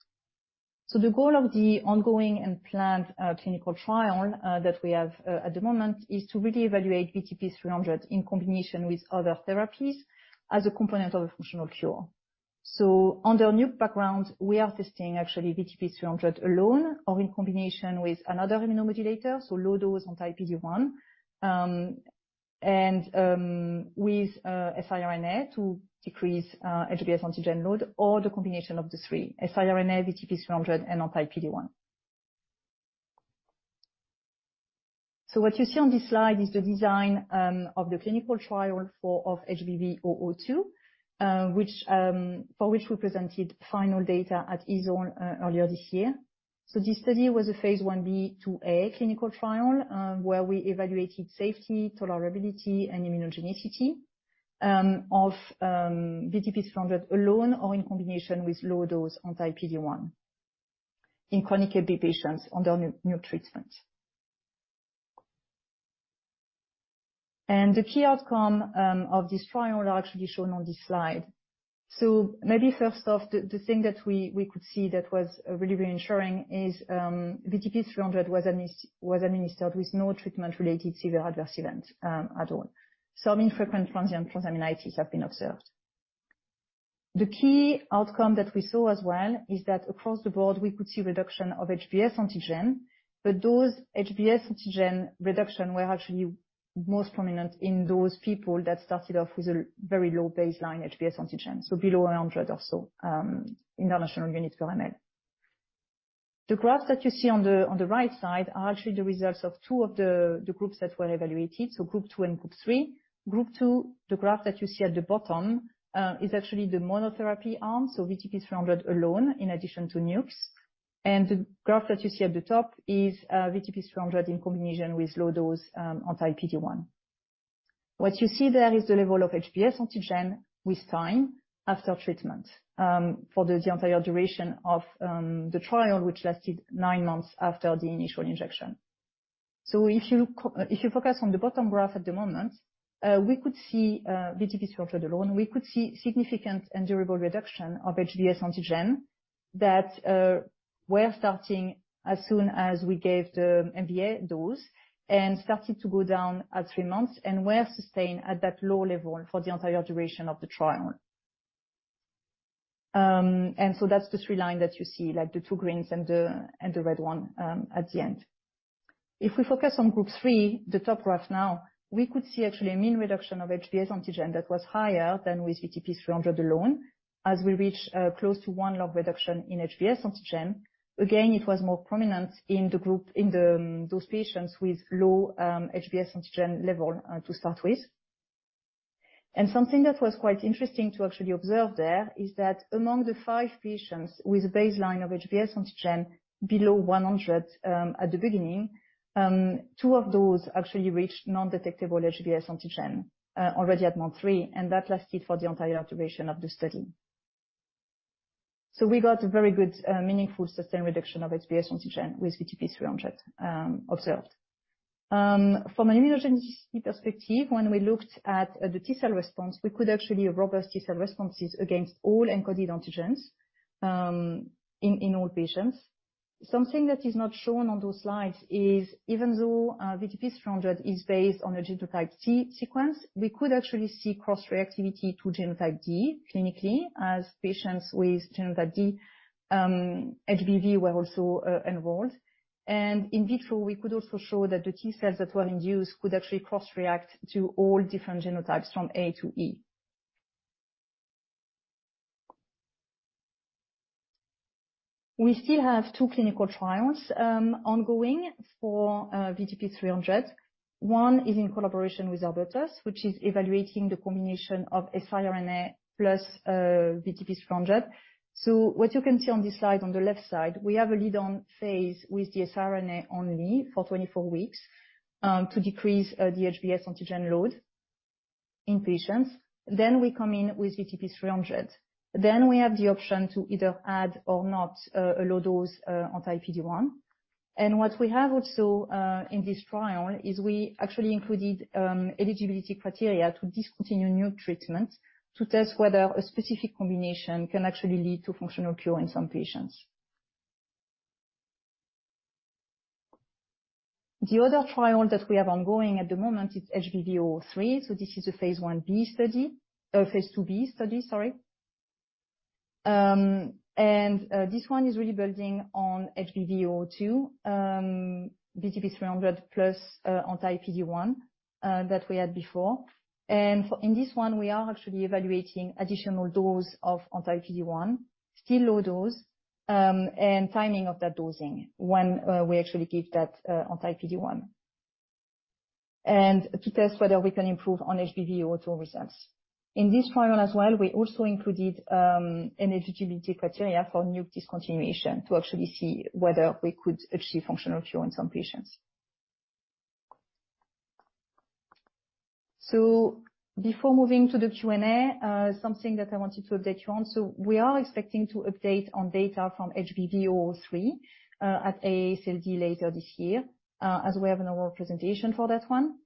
The goal of the ongoing and planned clinical trial that we have at the moment is to really evaluate VTP-300 in combination with other therapies as a component of a functional cure. So on their new background, we are testing actually VTP-300 alone or in combination with another immunomodulator, so low-dose anti-PD-1, and with siRNA to decrease HBsAg load, or the combination of the three: siRNA, VTP-300, and anti-PD-1. So what you see on this slide is the design of the clinical trial for HBV002, which for which we presented final data at EASL earlier this year. So this study was a phase Ib/2a clinical trial, where we evaluated safety, tolerability, and immunogenicity of VTP-300 alone or in combination with low dose anti-PD-1 in chronic HBV patients under nuc treatment. And the key outcome of this trial are actually shown on this slide. So maybe first off, the thing that we could see that was really reassuring is VTP-300 was administered with no treatment-related severe adverse event at all. Some infrequent transient ALT elevations have been observed. The key outcome that we saw as well is that across the board, we could see reduction of HBsAg, but those HBsAg reductions were actually most prominent in those people that started off with a very low baseline HBsAg, so below 100 or so international units per mL. The graphs that you see on the right side are actually the results of two of the groups that were evaluated, so group two and group three. Group two, the graph that you see at the bottom, is actually the monotherapy arm, so VTP-300 alone, in addition to NUCs. The graph that you see at the top is VTP-300 in combination with low dose anti-PD-1. What you see there is the level of HBsAg with time after treatment for the entire duration of the trial, which lasted 9 months after the initial injection. So if you focus on the bottom graph at the moment, we could see VTP-300 alone, we could see significant and durable reduction of HBsAg that were starting as soon as we gave the MVA dose, and started to go down at 3 months and were sustained at that low level for the entire duration of the trial. And so that's the three line that you see, like the two greens and the and the red one at the end. If we focus on group three, the top graph now, we could see actually a mean reduction of HBsAg that was higher than with VTP-300 alone, as we reach close to 1 log reduction in HBsAg. Again, it was more prominent in the group- in the, those patients with low HBsAg level to start with. And something that was quite interesting to actually observe there, is that among the 5 patients with a baseline of HBsAg below 100 at the beginning, two of those actually reached non-detectable HBsAg already at month 3, and that lasted for the entire duration of the study. So we got a very good meaningful, sustained reduction of HBsAg with VTP-300 observed. From an immunogenicity perspective, when we looked at the T-cell response, we could actually robust T-cell responses against all encoded antigens in all patients. Something that is not shown on those slides is even though VTP-300 is based on a genotype C sequence, we could actually see cross-reactivity to genotype D clinically, as patients with genotype D HBV were also enrolled. And in vitro, we could also show that the T-cells that were in use could actually cross-react to all different genotypes from A to E. We still have two clinical trials ongoing for VTP-300. One is in collaboration with Arbutus, which is evaluating the combination of siRNA plus VTP-300. So what you can see on this slide, on the left side, we have a lead-in phase with the siRNA only for 24 weeks, to decrease the HBsAg load in patients. Then we come in with VTP-300. Then we have the option to either add or not a low dose anti-PD-1. And what we have also in this trial- Is we actually included eligibility criteria to discontinue nuc treatment, to test whether a specific combination can actually lead to functional cure in some patients. The other trial that we have ongoing at the moment is HBV003. This is a phase Ib study, or phase IIb study, sorry. This one is really building on HBV002, VTP-300 plus anti-PD-1, that we had before. In this one, we are actually evaluating additional dose of anti-PD-1, still low dose, and timing of that dosing when we actually give that anti-PD-1. To test whether we can improve on HBV002 results. In this trial as well, we also included an eligibility criteria for nuc discontinuation, to actually see whether we could achieve functional cure in some patients. So before moving to the Q&A, something that I wanted to update you on. So we are expecting to update on data from HBV003, at AASLD later this year, as we have an award presentation for that one.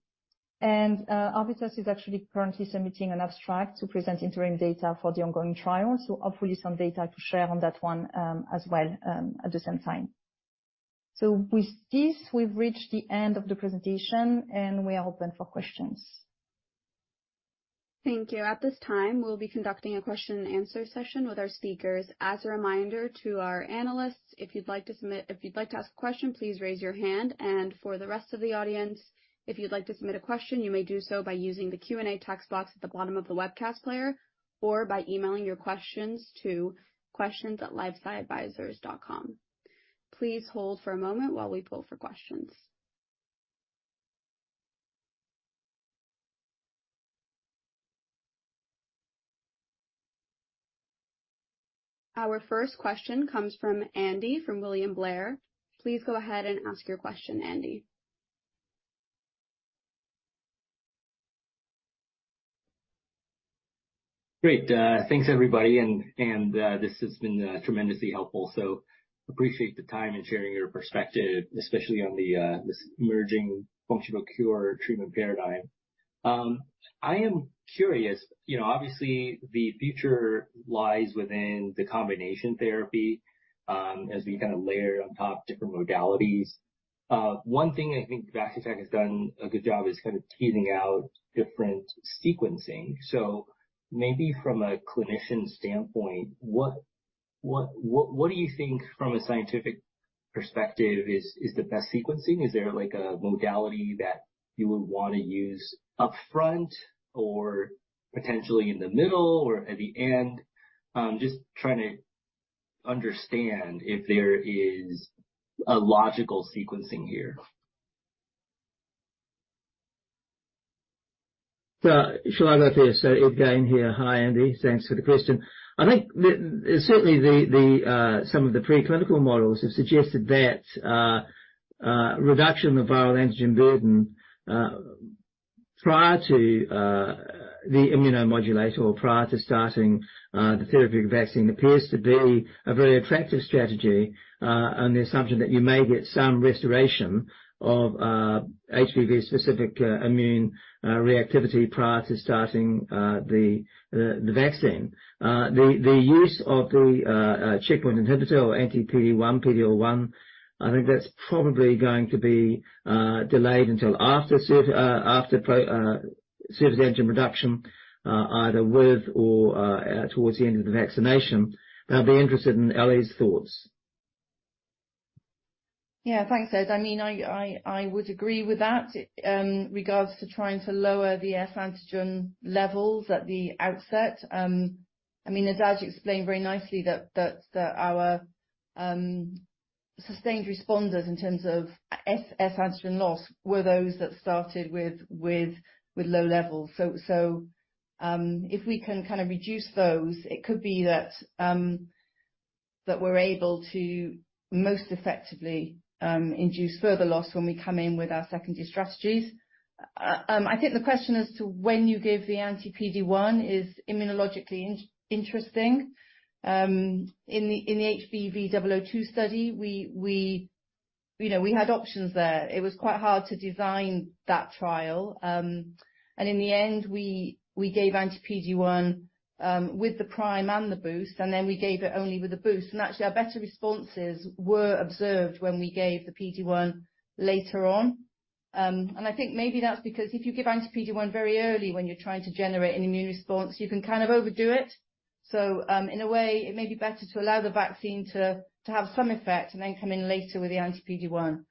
And, Arbutus is actually currently submitting an abstract to present interim data for the ongoing trial. So hopefully some data to share on that one, as well, at the same time. So with this, we've reached the end of the presentation and we are open for questions. Thank you. At this time, we'll be conducting a question and answer session with our speakers. As a reminder to our analysts, if you'd like to ask a question, please raise your hand. For the rest of the audience, if you'd like to submit a question, you may do so by using the Q&A text box at the bottom of the webcast player, or by emailing your questions to questions@lifesciadvisors.com. Please hold for a moment while we pull for questions. Our first question comes from Andy, from William Blair. Please go ahead and ask your question, Andy. Great, thanks, everybody, and this has been tremendously helpful. So appreciate the time and sharing your perspective, especially on this emerging functional cure treatment paradigm. I am curious, you know, obviously the future lies within the combination therapy, as we kind of layer on top different modalities. One thing I think Vaccitech has done a good job is kind of teasing out different sequencing. So maybe from a clinician standpoint, what do you think from a scientific perspective is the best sequencing? Is there like a modality that you would want to use upfront or potentially in the middle or at the end? Just trying to understand if there is a logical sequencing here. Shall I go first? Ed Gane here. Hi, Andy. Thanks for the question. I think certainly some of the preclinical models have suggested that reduction of viral antigen burden prior to the immunomodulator or prior to starting the therapeutic vaccine appears to be a very attractive strategy on the assumption that you may get some restoration of HBV-specific immune reactivity prior to starting the vaccine. The use of the checkpoint inhibitor or anti-PD-1, PD-L1, I think that's probably going to be delayed until after HBsAg antigen reduction, either with or towards the end of the vaccination. I'd be interested in Ellie's thoughts. Yeah, thanks, Ed. I mean, I would agree with that regards to trying to lower the S antigen levels at the outset. I mean, as Ed explained very nicely, that our sustained responders in terms of S antigen loss were those that started with low levels. So, if we can kind of reduce those, it could be that we're able to most effectively induce further loss when we come in with our secondary strategies. I think the question as to when you give the anti-PD-1 is immunologically interesting. In the HBV002 study, you know, we had options there. It was quite hard to design that trial, and in the end, we gave anti-PD-1 with the prime and the boost, and then we gave it only with the boost. Actually, our better responses were observed when we gave the PD-1 later on. I think maybe that's because if you give anti-PD-1 very early when you're trying to generate an immune response, you can kind of overdo it. So, in a way, it may be better to allow the vaccine to have some effect and then come in later with the anti-PD-1.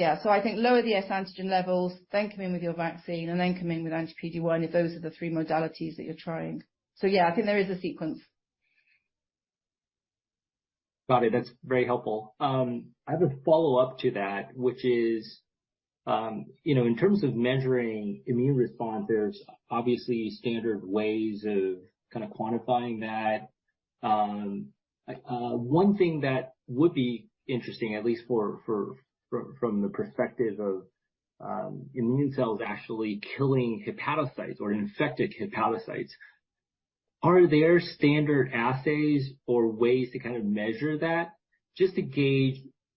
Yeah, so I think lower the S antigen levels, then come in with your vaccine and then come in with anti-PD-1, if those are the three modalities that you're trying. So yeah, I think there is a sequence. Got it. That's very helpful. I have a follow-up to that, which is, you know, in terms of measuring immune response, there's obviously standard ways of kind of quantifying that. One thing that would be interesting, at least for, from the perspective of, immune cells actually killing hepatocytes or infected hepatocytes. Are there standard assays or ways to kind of measure that, just to gauge,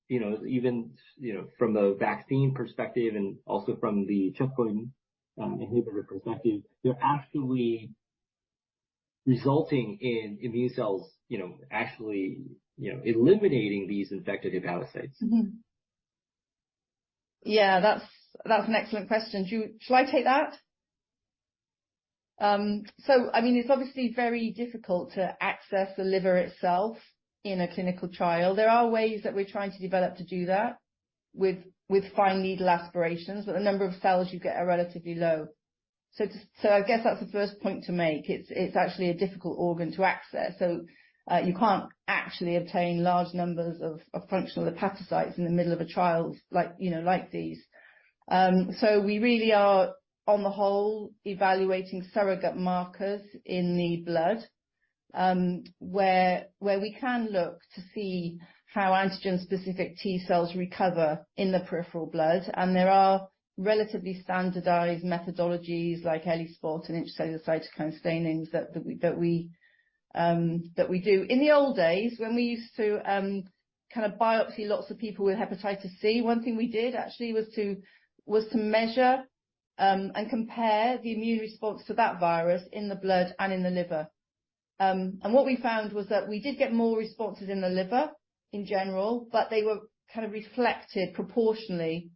you know, even, you know, from a vaccine perspective and also from the checkpoint inhibitor perspective, they're actually resulting in immune cells, you know, actually, you know, eliminating these infected hepatocytes? Mm-hmm. Yeah, that's, that's an excellent question. Do you-- Shall I take that? I mean, it's obviously very difficult to access the liver itself in a clinical trial. There are ways that we're trying to develop to do that with, with fine needle aspirations, but the number of cells you get are relatively low. I guess that's the first point to make. It's, it's actually a difficult organ to access, so, you can't actually obtain large numbers of, of functional hepatocytes in the middle of a trial like, you know, like these. I mean, we really are, on the whole, evaluating surrogate markers in the blood, where, where we can look to see how antigen-specific T cells recover in the peripheral blood. There are relatively standardized methodologies like ELISpot and intracellular cytokine stainings that we, that we, that we do. In the old days, when we used to kind of biopsy lots of people with hepatitis C, one thing we did, actually, was to measure, and compare the immune response to that virus in the blood and in the liver. What we found was that we did get more responses in the liver in general, but they were kind of reflected proportionally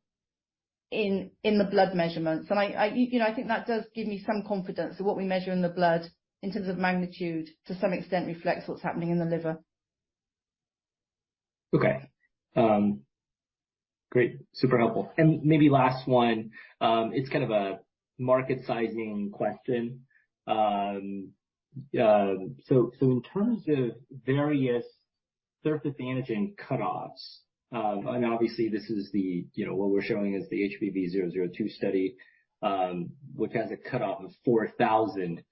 in the blood measurements. I, you know, I think that does give me some confidence that what we measure in the blood, in terms of magnitude, to some extent reflects what's happening in the liver. Okay. Great. Super helpful. And maybe last one. It's kind of a market sizing question. So, in terms of various surface antigen cutoffs, and obviously, this is the, you know, what we're showing is the HBV002 study, which has a cutoff of 4,000.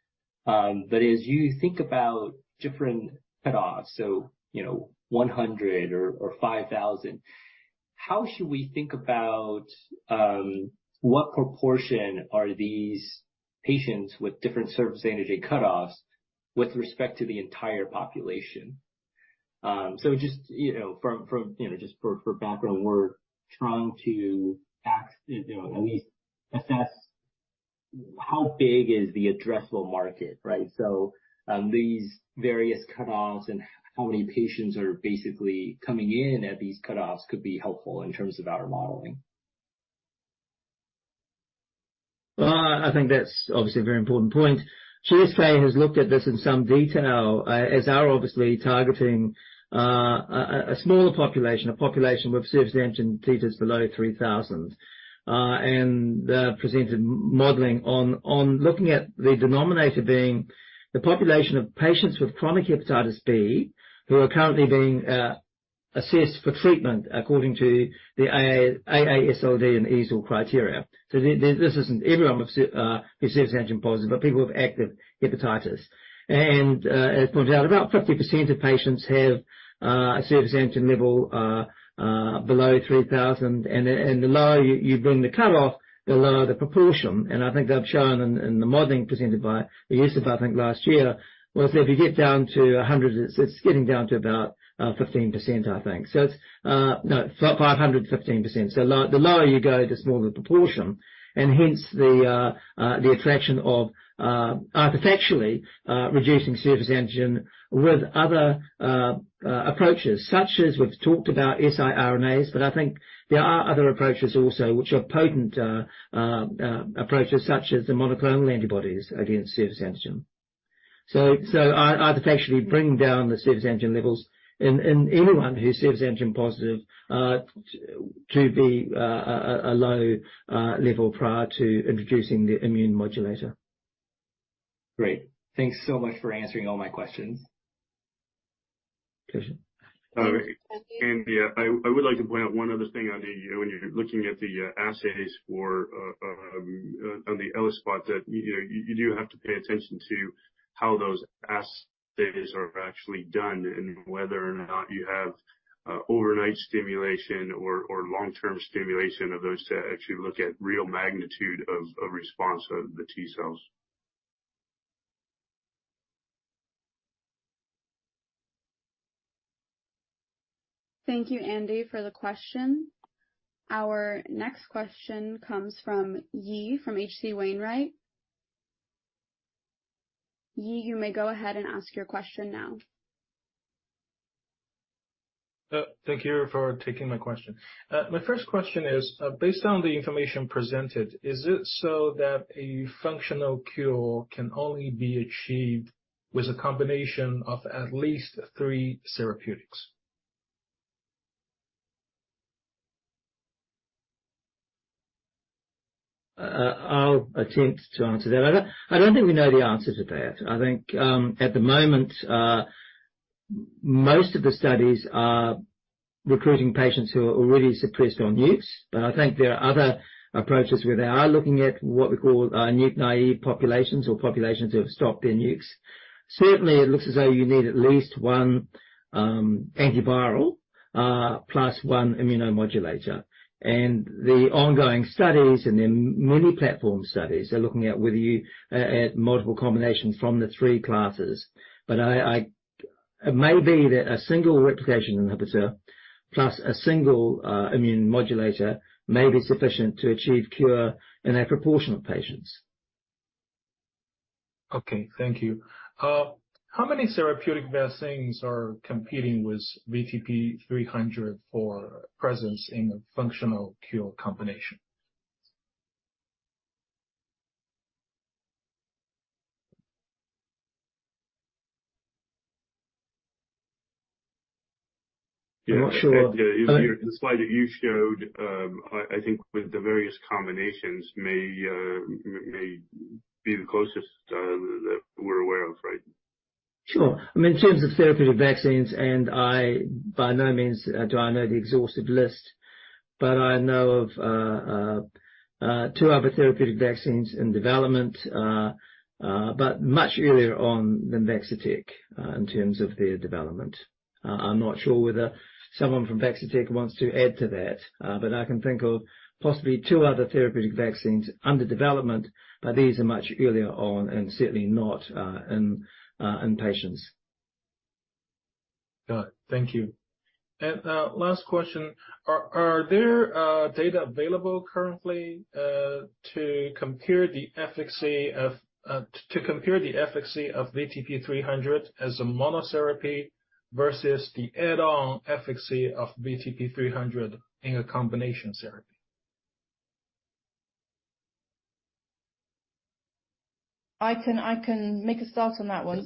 But as you think about different cutoffs, so, you know, 100 or 5,000, how should we think about what proportion are these patients with different surface antigen cutoffs with respect to the entire population? So just, you know, from, you know, just for background, we're trying to you know, at least assess how big is the addressable market, right? So, these various cutoffs and how many patients are basically coming in at these cutoffs could be helpful in terms of our modeling. I think that's obviously a very important point. GSK has looked at this in some detail, as are obviously targeting a smaller population, a population with surface antigen titers below 3,000, and presented modeling on looking at the denominator being the population of patients with chronic hepatitis B, who are currently being assessed for treatment according to the AASLD and EASL criteria. This isn't everyone with surface antigen positive, but people with active hepatitis. As pointed out, about 50% of patients have a surface antigen level below 3,000, and the lower you bring the cutoff, the lower the proportion. I think they've shown in the modeling presented by the EASL, I think last year, was if you get down to 100, it's getting down to about 15%, I think. So it's... No, 500, 15%. So the lower you go, the smaller the proportion, and hence the attraction of artifactually reducing surface antigen with other approaches, such as we've talked about, siRNAs. But I think there are other approaches also, which are potent approaches, such as the monoclonal antibodies against surface antigen. So artifactually bringing down the surface antigen levels in anyone who's surface antigen positive to be a low level prior to introducing the immune modulator. Great. Thanks so much for answering all my questions. Pleasure. Thank you. Yeah, I would like to point out one other thing, Andy. You know, when you're looking at the assays for on the ELISpot, you know, you do have to pay attention to how those assays are actually done and whether or not you have overnight stimulation or long-term stimulation of those to actually look at real magnitude of response of the T cells. Thank you, Andy, for the question. Our next question comes from Yi, from H.C. Wainwright. Yi, you may go ahead and ask your question now. Thank you for taking my question. My first question is, based on the information presented, is it so that a functional cure can only be achieved with a combination of at least three therapeutics? I'll attempt to answer that. I don't, I don't think we know the answer to that. I think, at the moment, most of the studies are recruiting patients who are already suppressed on nucs. I think there are other approaches where they are looking at what we call nuc-naive populations, or populations who have stopped their nucs. Certainly, it looks as though you need at least one antiviral, plus one immunomodulator. The ongoing studies, and there are many platform studies, are looking at whether you add multiple combinations from the three classes. I, I- it may be that a single replication inhibitor plus a single immune modulator may be sufficient to achieve cure in a proportion of patients. Okay, thank you. How many therapeutic vaccines are competing with VTP-300 for presence in a functional cure combination? I'm not sure- Yeah, the slide that you showed, I think with the various combinations may be the closest that we're aware of, right? Sure. I mean, in terms of therapeutic vaccines, and I by no means do I know the exhaustive list, but I know of two other therapeutic vaccines in development, but much earlier on than Barinthus, in terms of their development. I'm not sure whether someone from Barinthus wants to add to that, but I can think of possibly two other therapeutic vaccines under development, but these are much earlier on and certainly not in patients. Got it. Thank you. And last question: are there data available currently to compare the efficacy of VTP-300 as a monotherapy versus the add-on efficacy of VTP-300 in a combination therapy? I can make a start on that one.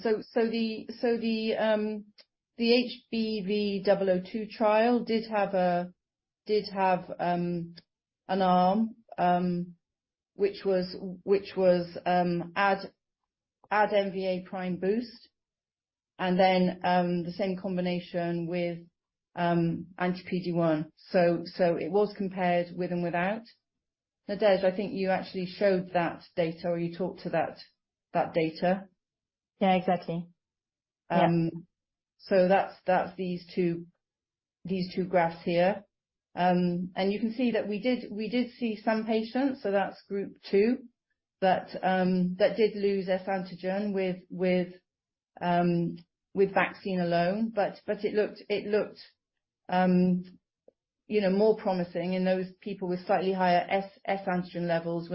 The HBV002 trial did have, did have an arm, which was add MVA prime boost, and then the same combination with anti-PD-1. It was compared with and without. Nadège, I think you actually showed that data, or you talked to that data. Yeah, exactly. So that's these two graphs here. And you can see that we did see some patients, so that's group two, that did lose S antigen with vaccine alone. But it looked, you know, more promising in those people with slightly higher S antigen levels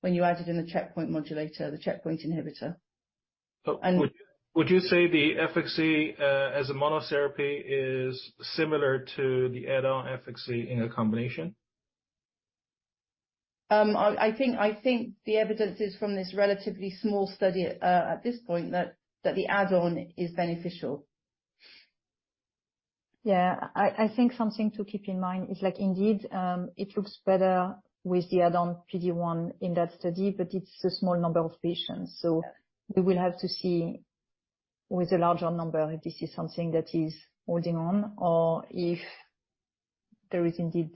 when you added in the checkpoint modulator, the checkpoint inhibitor. And- Would you say the efficacy as a monotherapy is similar to the add-on efficacy in a combination? I think the evidence is from this relatively small study, at this point, that the add-on is beneficial. Yeah. I think something to keep in mind is, like, indeed, it looks better with the add-on PD-1 in that study, but it's a small number of patients, so- Yeah... we will have to see with a larger number, if this is something that is holding on or if there is indeed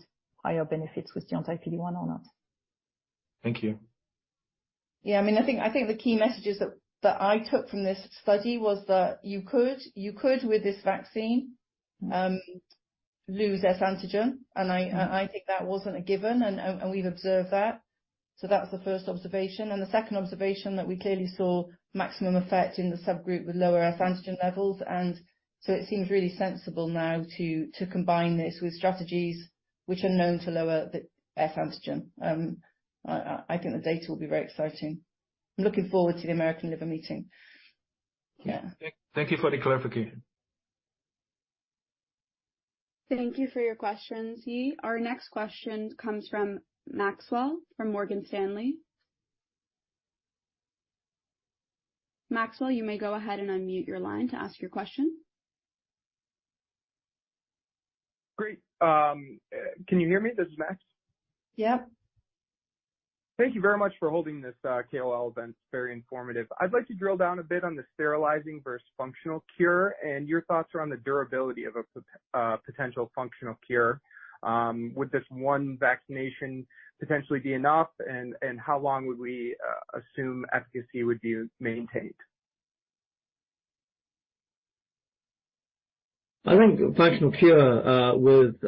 higher benefits with the anti-PD-1 or not. Thank you. Yeah, I mean, I think the key messages that I took from this study was that you could, with this vaccine, lose S antigen. And I think that wasn't a given, and we've observed that. That's the first observation. The second observation, that we clearly saw maximum effect in the subgroup with lower S antigen levels. It seems really sensible now to combine this with strategies which are known to lower the S antigen. I think the data will be very exciting. Looking forward to the American Liver meeting. Yeah. Thank you for the clarification. Thank you for your question, Yi. Our next question comes from Maxwell, from Morgan Stanley. Maxwell, you may go ahead and unmute your line to ask your question. Great. Can you hear me? This is Max. Yep. Thank you very much for holding this call event. It's very informative. I'd like to drill down a bit on the sterilizing versus functional cure, and your thoughts around the durability of a potential functional cure. Would this one vaccination potentially be enough, and how long would we assume efficacy would be maintained? I think functional cure with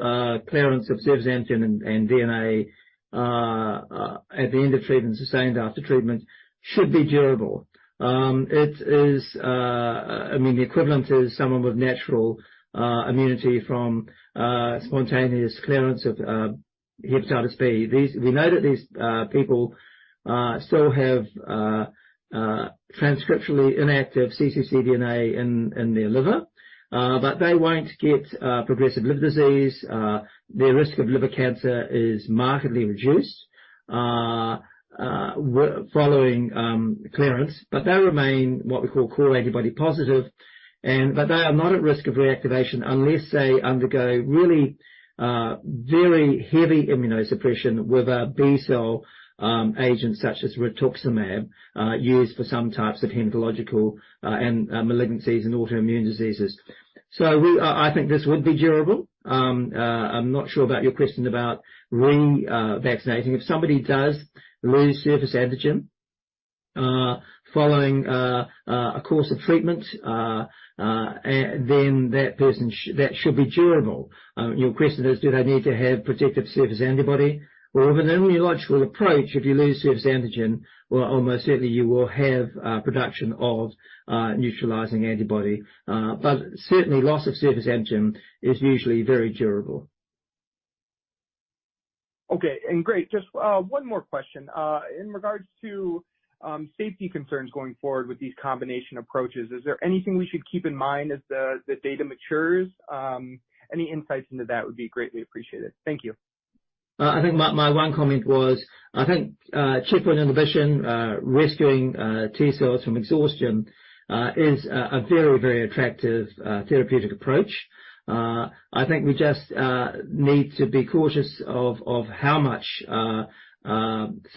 clearance of surface antigen and DNA at the end of treatment, sustained after treatment, should be durable. It is... I mean, the equivalent is someone with natural immunity from spontaneous clearance of hepatitis B. We know that these people still have transcriptionally inactive cccDNA in their liver, but they won't get progressive liver disease. Their risk of liver cancer is markedly reduced following clearance, but they remain what we call core antibody positive. But they are not at risk of reactivation unless they undergo really very heavy immunosuppression with a B-cell agent such as rituximab used for some types of hematological and malignancies and autoimmune diseases. I think this would be durable. I'm not sure about your question about re-vaccinating. If somebody does lose surface antigen following a course of treatment, then that person – that should be durable. Your question is, do they need to have protective surface antibody? Well, with an immunological approach, if you lose surface antigen, well, almost certainly you will have production of neutralizing antibody. But certainly, loss of surface antigen is usually very durable. Okay, great. Just one more question. In regards to safety concerns going forward with these combination approaches, is there anything we should keep in mind as the data matures? Any insights into that would be greatly appreciated. Thank you. I think my one comment was, I think, checkpoint inhibition rescuing T cells from exhaustion is a very attractive therapeutic approach. I think we just need to be cautious of how much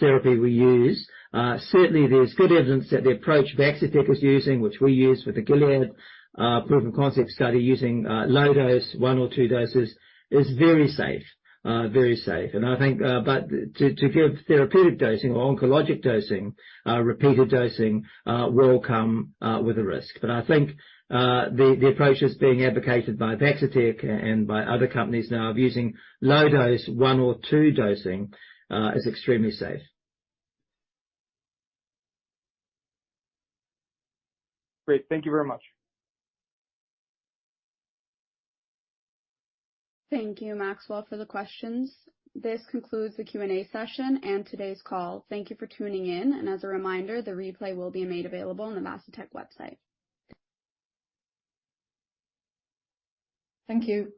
therapy we use. Certainly there's good evidence that the approach Vaccitech was using, which we use with the Gilead proof of concept study, using low dose, one or two doses, is very safe. Very safe. And I think, but to give therapeutic dosing or oncologic dosing, repeated dosing, will come with a risk. But I think the approaches being advocated by Vaccitech and by other companies now, of using low dose, one or two dosing, is extremely safe. Great. Thank you very much. Thank you, Maxwell, for the questions. This concludes the Q&A session and today's call. Thank you for tuning in, and as a reminder, the replay will be made available on the Vaccitech website. Thank you.